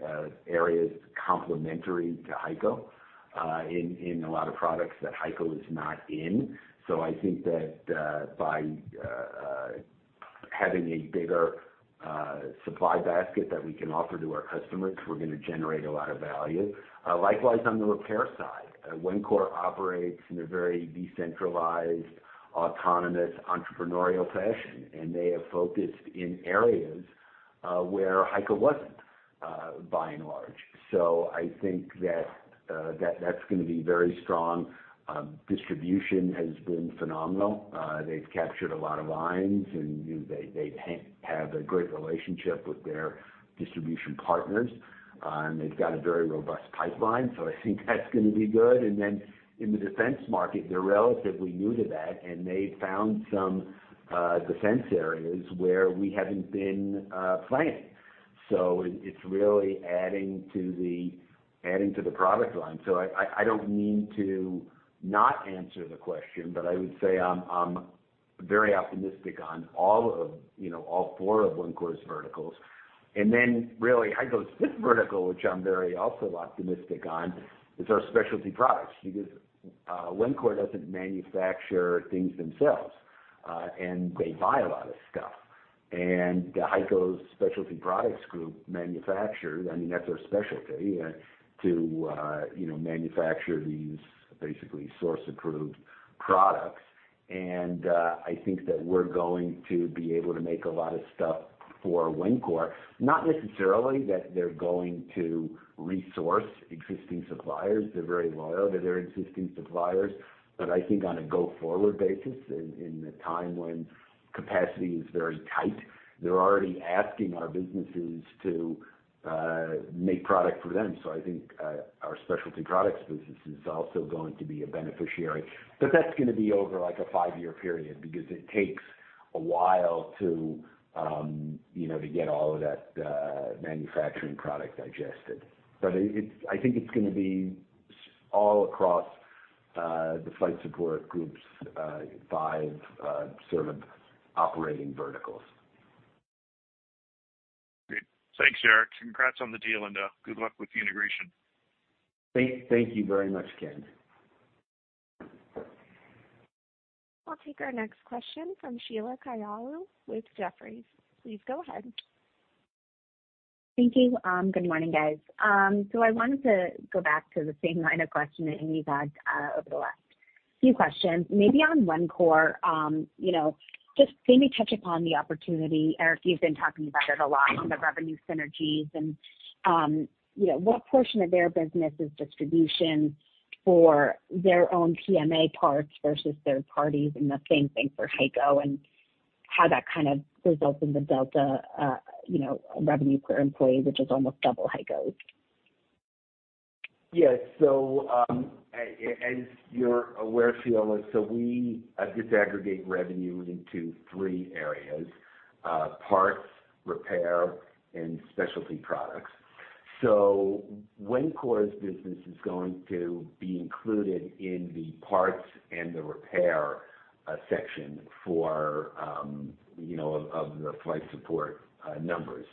areas complementary to HEICO, in a lot of products that HEICO is not in. So I think that by having a bigger supply basket that we can offer to our customers, we're gonna generate a lot of value. Likewise, on the repair side, Wencor operates in a very decentralized, autonomous, entrepreneurial fashion, and they have focused in areas where HEICO wasn't, by and large. So I think that that's gonna be very strong. Distribution has been phenomenal. They've captured a lot of lines, and they have a great relationship with their distribution partners, and they've got a very robust pipeline, so I think that's gonna be good. And then in the defense market, they're relatively new to that, and they've found some defense areas where we haven't been playing. So it's really adding to the product line. So I don't mean to not answer the question, but I would say I'm very optimistic on all of, you know, all four of Wencor's verticals. And then really, HEICO's fifth vertical, which I'm very also optimistic on, is our specialty products. Because Wencor doesn't manufacture things themselves, and they buy a lot of stuff. And HEICO's specialty products group manufactures. I mean, that's our specialty to, you know, manufacture these basically source-approved products. And I think that we're going to be able to make a lot of stuff for Wencor. Not necessarily that they're going to resource existing suppliers. They're very loyal to their existing suppliers. But I think on a go-forward basis, in a time when capacity is very tight, they're already asking our businesses to make product for them. So I think our specialty products business is also going to be a beneficiary. But that's gonna be over, like, a five-year period because it takes a while to, you know, to get all of that manufacturing product digested. But it's-- I think it's gonna be all across the Flight Support Group's five sort of operating verticals. Great. Thanks, Eric. Congrats on the deal, and good luck with the integration. Thank you very much, Ken. I'll take our next question from Sheila Kahyaoglu with Jefferies. Please go ahead. Thank you. Good morning, guys. So I wanted to go back to the same line of questioning you've had over the last few questions. Maybe on Wencor, you know, just maybe touch upon the opportunity. Eric, you've been talking about it a lot, on the revenue synergies and, you know, what portion of their business is distribution for their own PMA parts versus third parties, and the same thing for HEICO, and how that kind of results in the delta, you know, revenue per employee, which is almost double HEICO's? Yes. So, as you're aware, Sheila, so we disaggregate revenues into three areas: parts, repair, and specialty products. So Wencor's business is going to be included in the parts and the repair section for, you know, of the Flight Support numbers.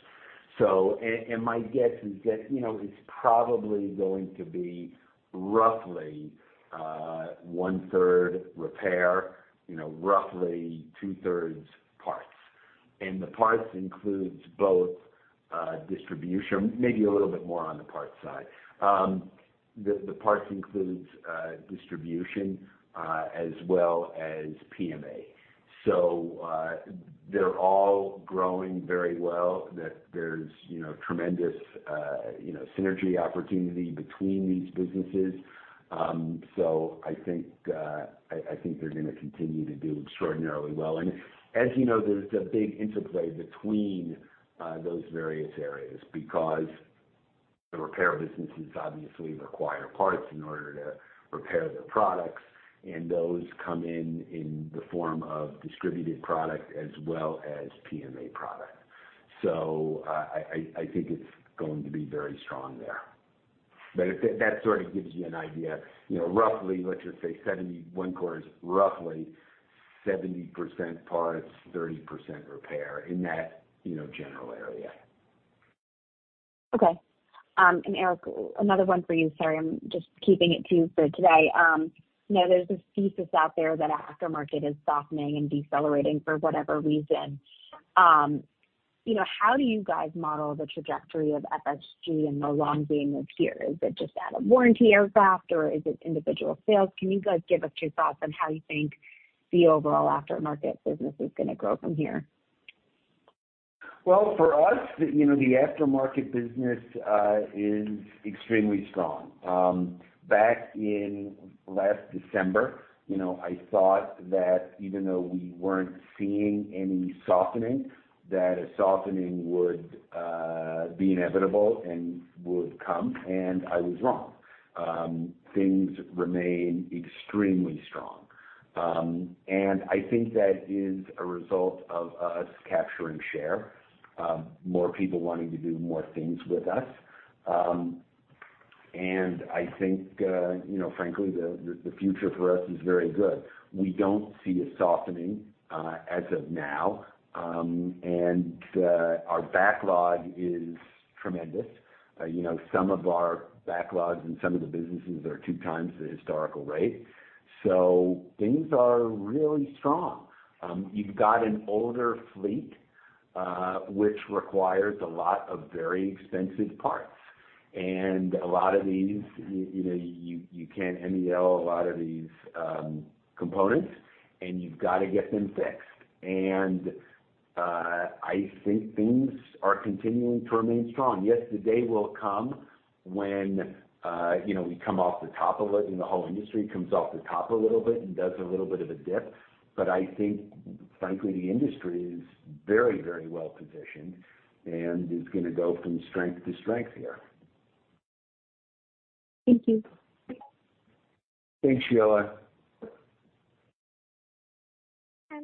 So, and my guess is that, you know, it's probably going to be roughly 1/3 repair, you know, roughly 2/3 parts. And the parts includes both distribution. Maybe a little bit more on the parts side. The parts includes distribution as well as PMA. So, they're all growing very well, that there's, you know, tremendous synergy opportunity between these businesses. So I think I think they're gonna continue to do extraordinarily well. As you know, there's a big interplay between those various areas, because the repair businesses obviously require parts in order to repair the products, and those come in the form of distributed product as well as PMA product. So I think it's going to be very strong there. But if that sort of gives you an idea, you know, roughly, let's just say 70%, Wencor is roughly 70% parts, 30% repair, in that, you know, general area. Okay. And Eric, another one for you. Sorry, I'm just keeping it to you for today. You know, there's this thesis out there that aftermarket is softening and decelerating for whatever reason. You know, how do you guys model the trajectory of FSG and the long game of here? Is it just out of warranty aircraft, or is it individual sales? Can you guys give us your thoughts on how you think the overall aftermarket business is going to grow from here? Well, for us, you know, the aftermarket business is extremely strong. Back in last December, you know, I thought that even though we weren't seeing any softening, that a softening would be inevitable and would come, and I was wrong. Things remain extremely strong. And I think that is a result of us capturing share, more people wanting to do more things with us. And I think, you know, frankly, the future for us is very good. We don't see a softening as of now, and our backlog is tremendous. You know, some of our backlogs in some of the businesses are two times the historical rate, so things are really strong. You've got an older fleet, which requires a lot of very expensive parts. And a lot of these, you know, you can't MEL a lot of these components, and you've got to get them fixed. And I think things are continuing to remain strong. Yes, the day will come when, you know, we come off the top of it, and the whole industry comes off the top a little bit and does a little bit of a dip. But I think frankly, the industry is very, very well positioned and is gonna go from strength to strength here. Thank you. Thanks, Sheila.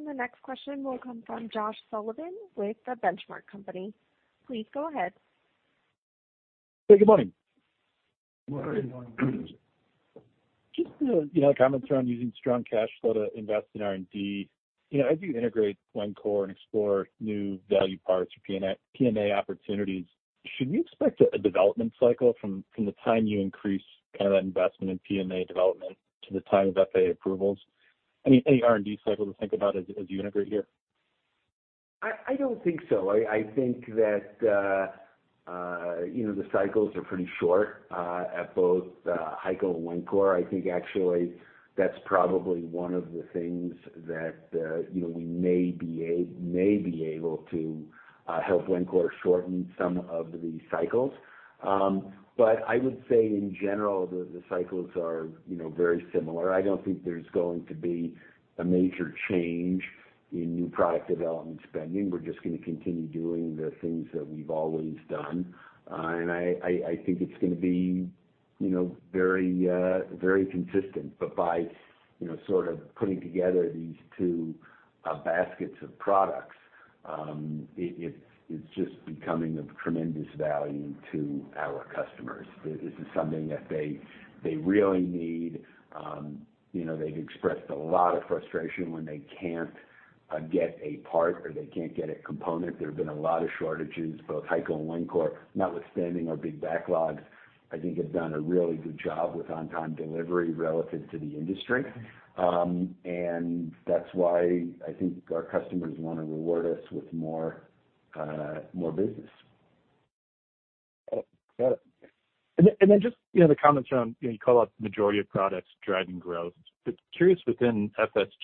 The next question will come from Josh Sullivan with The Benchmark Company. Please go ahead. Hey, good morning. Good morning. Just, you know, comments around using strong cash flow to invest in R&D. You know, as you integrate Wencor and explore new value parts or PMA opportunities, should we expect a development cycle from the time you increase kind of that investment in PMA development to the time of FAA approvals? Any R&D cycle to think about as you integrate here? I don't think so. I think that, you know, the cycles are pretty short at both HEICO and Wencor. I think actually that's probably one of the things that, you know, we may be able to help Wencor shorten some of the cycles. But I would say in general, the cycles are, you know, very similar. I don't think there's going to be a major change in new product development spending. We're just gonna continue doing the things that we've always done. And I think it's gonna be, you know, very consistent. But by, you know, sort of putting together these two baskets of products, it, it's just becoming of tremendous value to our customers. This is something that they really need. You know, they've expressed a lot of frustration when they can't get a part or they can't get a component. There have been a lot of shortages, both HEICO and Wencor, notwithstanding our big backlogs, I think have done a really good job with on-time delivery relative to the industry. And that's why I think our customers want to reward us with more, more business. Got it. And then just, you know, the comments around, you know, you call out the majority of products driving growth. Curious within FSG,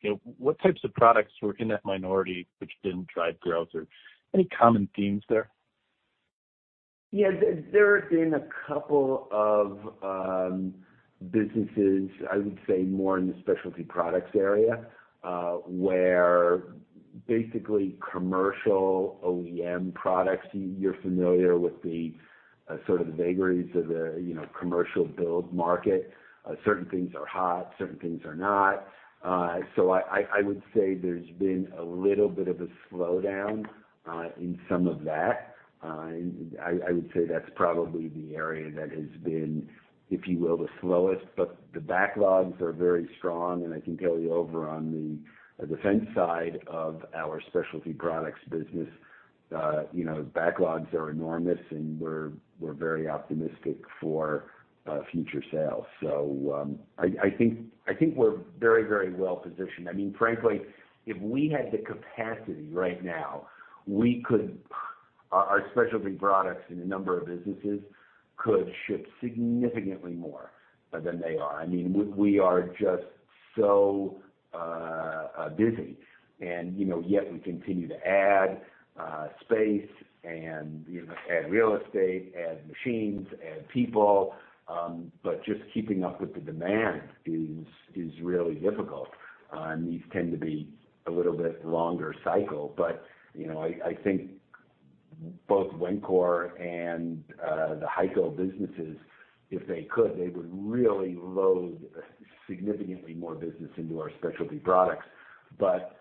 you know, what types of products were in that minority, which didn't drive growth, or any common themes there? Yeah, there have been a couple of businesses, I would say, more in the specialty products area, where basically commercial OEM products, you're familiar with the sort of the vagaries of the, you know, commercial build market. Certain things are hot, certain things are not. So I would say there's been a little bit of a slowdown in some of that. And I would say that's probably the area that has been, if you will, the slowest. But the backlogs are very strong, and I can tell you over on the defense side of our specialty products business, you know, backlogs are enormous, and we're very optimistic for future sales. So, I think we're very, very well positioned. I mean, frankly, if we had the capacity right now, we could—our specialty products in a number of businesses could ship significantly more than they are. I mean, we are just so busy and, you know, yet we continue to add space and, you know, add real estate, add machines, add people, but just keeping up with the demand is really difficult. And these tend to be a little bit longer cycle. But, you know, I think both Wencor and the HEICO businesses, if they could, they would really load significantly more business into our specialty products, but,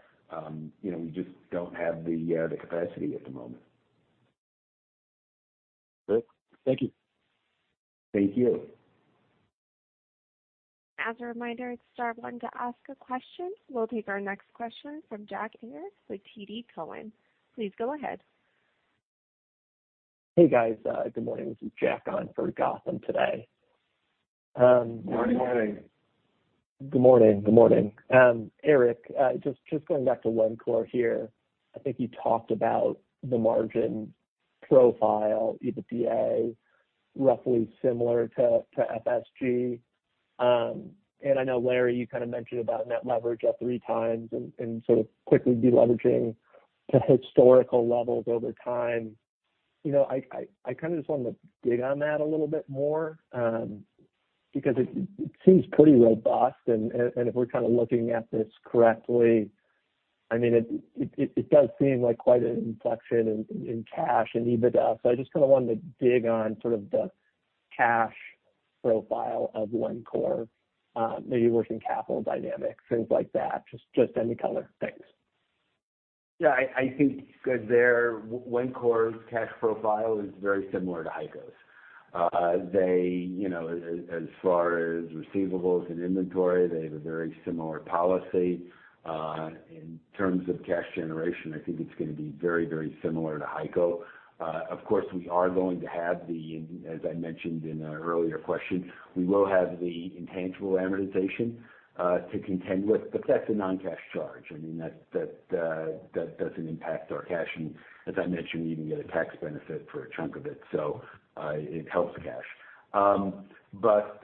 you know, we just don't have the capacity at the moment. Great. Thank you. Thank you. As a reminder, it's star one to ask a question. We'll take our next question from Jack Ayers with TD Cowen. Please go ahead.... Hey, guys. Good morning. This is Jack on for Gautam today. Good morning. Good morning, good morning. Eric, just going back to Wencor here. I think you talked about the margin profile, EBITDA, roughly similar to FSG. And I know, Larry, you kind of mentioned about net leverage at 3 times and sort of quickly deleveraging to historical levels over time. You know, I kind of just wanted to dig on that a little bit more, because it seems pretty robust, and if we're kind of looking at this correctly, I mean, it does seem like quite an inflection in cash and EBITDA. So I just kinda wanted to dig on sort of the cash profile of Wencor, maybe working-capital dynamics, things like that. Just any color. Thanks. Yeah, I think that their Wencor's cash profile is very similar to HEICO's. They, you know, as far as receivables and inventory, they have a very similar policy. In terms of cash generation, I think it's gonna be very, very similar to HEICO. Of course, we are going to have the, as I mentioned in an earlier question, we will have the intangible amortization to contend with, but that's a non-cash charge. I mean, that doesn't impact our cash. And as I mentioned, we even get a tax benefit for a chunk of it, so, it helps the cash. But,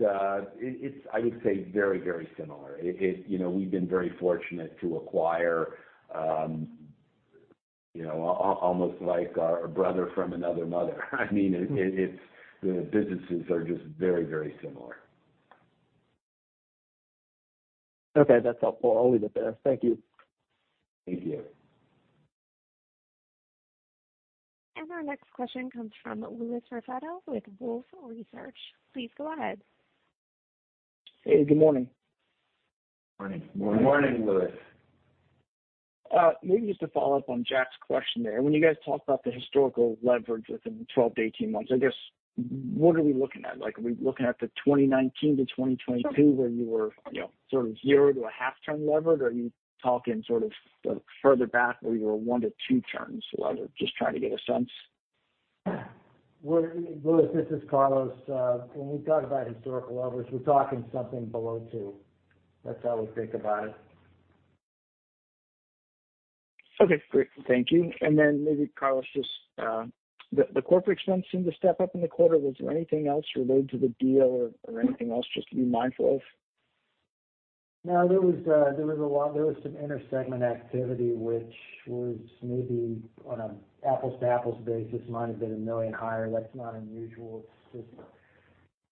it's, I would say, very, very similar. It, you know, we've been very fortunate to acquire, you know, almost like a brother from another mother. I mean, it's the businesses are just very, very similar. Okay, that's helpful. I'll leave it there. Thank you. Thank you. Our next question comes from Louis Raffetto with Wolfe Research. Please go ahead. Hey, good morning. Morning. Good morning, Louis. Maybe just to follow up on Jack's question there. When you guys talk about the historical leverage within 12-18 months, I guess, what are we looking at? Like, are we looking at the 2019-2022, where you were, you know, sort of 0-0.5 turn levered? Or are you talking sort of further back, where you were 1-2 turns levered? Just trying to get a sense. Louis, this is Carlos. When we talk about historical leverage, we're talking something below two. That's how we think about it. Okay, great. Thank you. And then maybe, Carlos, just, the corporate expense seemed to step up in the quarter. Was there anything else related to the deal or anything else just to be mindful of? No, there was a lot. There was some intersegment activity, which was maybe on an apples-to-apples basis $1 million higher. That's not unusual. It's just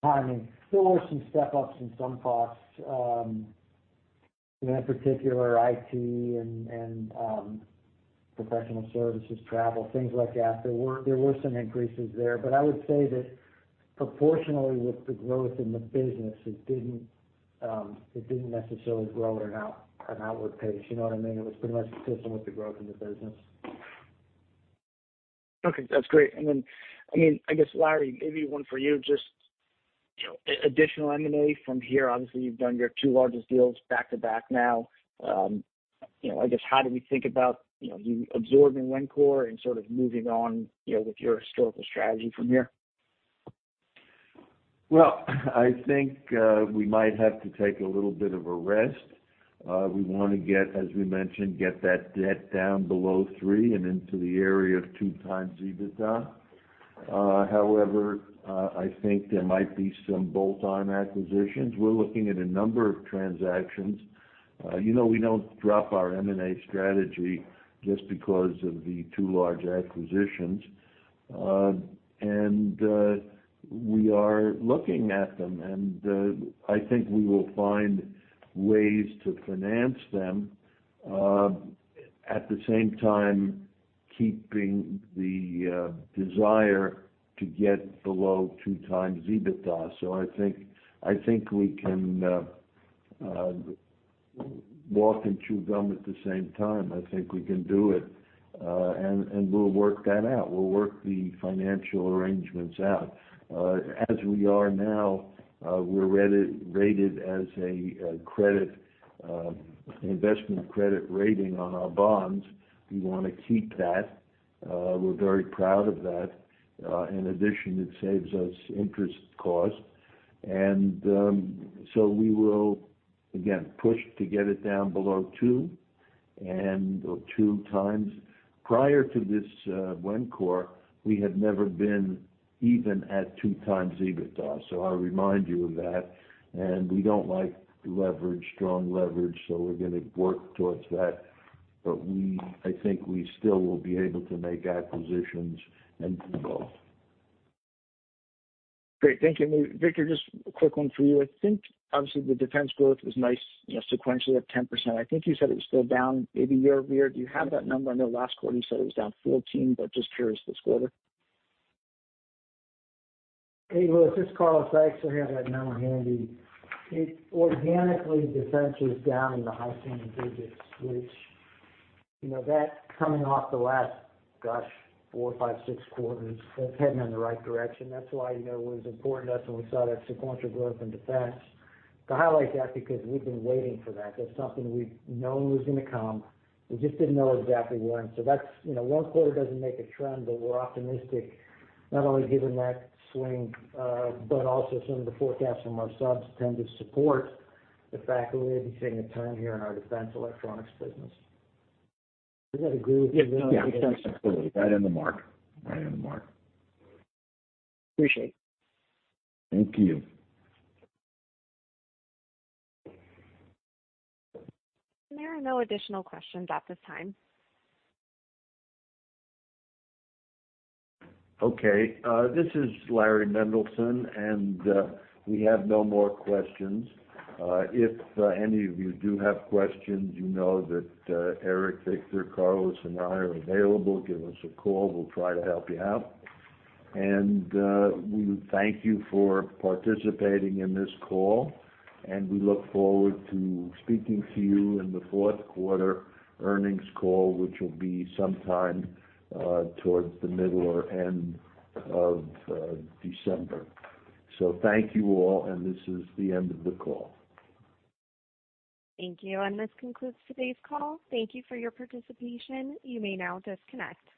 timing. There were some step-ups in some costs, in particular IT and professional services, travel, things like that. There were some increases there. But I would say that proportionally with the growth in the business, it didn't necessarily grow at an outward pace. You know what I mean? It was pretty much consistent with the growth in the business. Okay, that's great. And then, I mean, Larry, maybe one for you, just, you know, additional M&A from here. Obviously, you've done your two largest deals back-to-back now. You know, I guess, how do we think about, you know, you absorbing Wencor and sort of moving on, you know, with your historical strategy from here? Well, I think we might have to take a little bit of a rest. We wanna get, as we mentioned, get that debt down below 3 and into the area of 2x EBITDA. However, I think there might be some bolt-on acquisitions. We're looking at a number of transactions. You know, we don't drop our M&A strategy just because of the two large acquisitions. And we are looking at them, and I think we will find ways to finance them, at the same time, keeping the desire to get below 2x EBITDA. So I think, I think we can walk and chew gum at the same time. I think we can do it, and, and we'll work that out. We'll work the financial arrangements out. As we are now, we're rated as an investment-grade credit rating on our bonds. We wanna keep that. We're very proud of that. In addition, it saves us interest costs. So we will, again, push to get it down below 2x and/or 2x. Prior to this, Wencor, we had never been even at 2x EBITDA, so I remind you of that. We don't like leverage, strong leverage, so we're gonna work towards that. But I think we still will be able to make acquisitions and grow. Great. Thank you. Victor, just a quick one for you. I think obviously the defense growth was nice, you know, sequentially up 10%. I think you said it was still down maybe year-over-year. Do you have that number? I know last quarter you said it was down 14%, but just curious this quarter. Hey, Louis, this is Carlos. I actually have that number handy. It organically, defense is down in the high single digits, which, you know, that coming off the last, gosh, 4, 5, 6 quarters, that's heading in the right direction. That's why, you know, it was important to us when we saw that sequential growth in defense, to highlight that, because we've been waiting for that. That's something we've known was gonna come. We just didn't know exactly when. So that's, you know, 1 quarter doesn't make a trend, but we're optimistic, not only given that swing, but also some of the forecasts from our subs tend to support the fact that we may be seeing a turn here in our defense electronics business. Does that agree with you, Larry? Yeah, absolutely. Right on the mark. Right on the mark. Appreciate it. Thank you. There are no additional questions at this time. Okay, this is Laurans Mendelson, and we have no more questions. If any of you do have questions, you know that Eric, Victor, Carlos, and I are available. Give us a call. We'll try to help you out. And we thank you for participating in this call, and we look forward to speaking to you in the fourth quarter earnings call, which will be sometime towards the middle or end of December. So thank you all, and this is the end of the call. Thank you, and this concludes today's call. Thank you for your participation. You may now disconnect.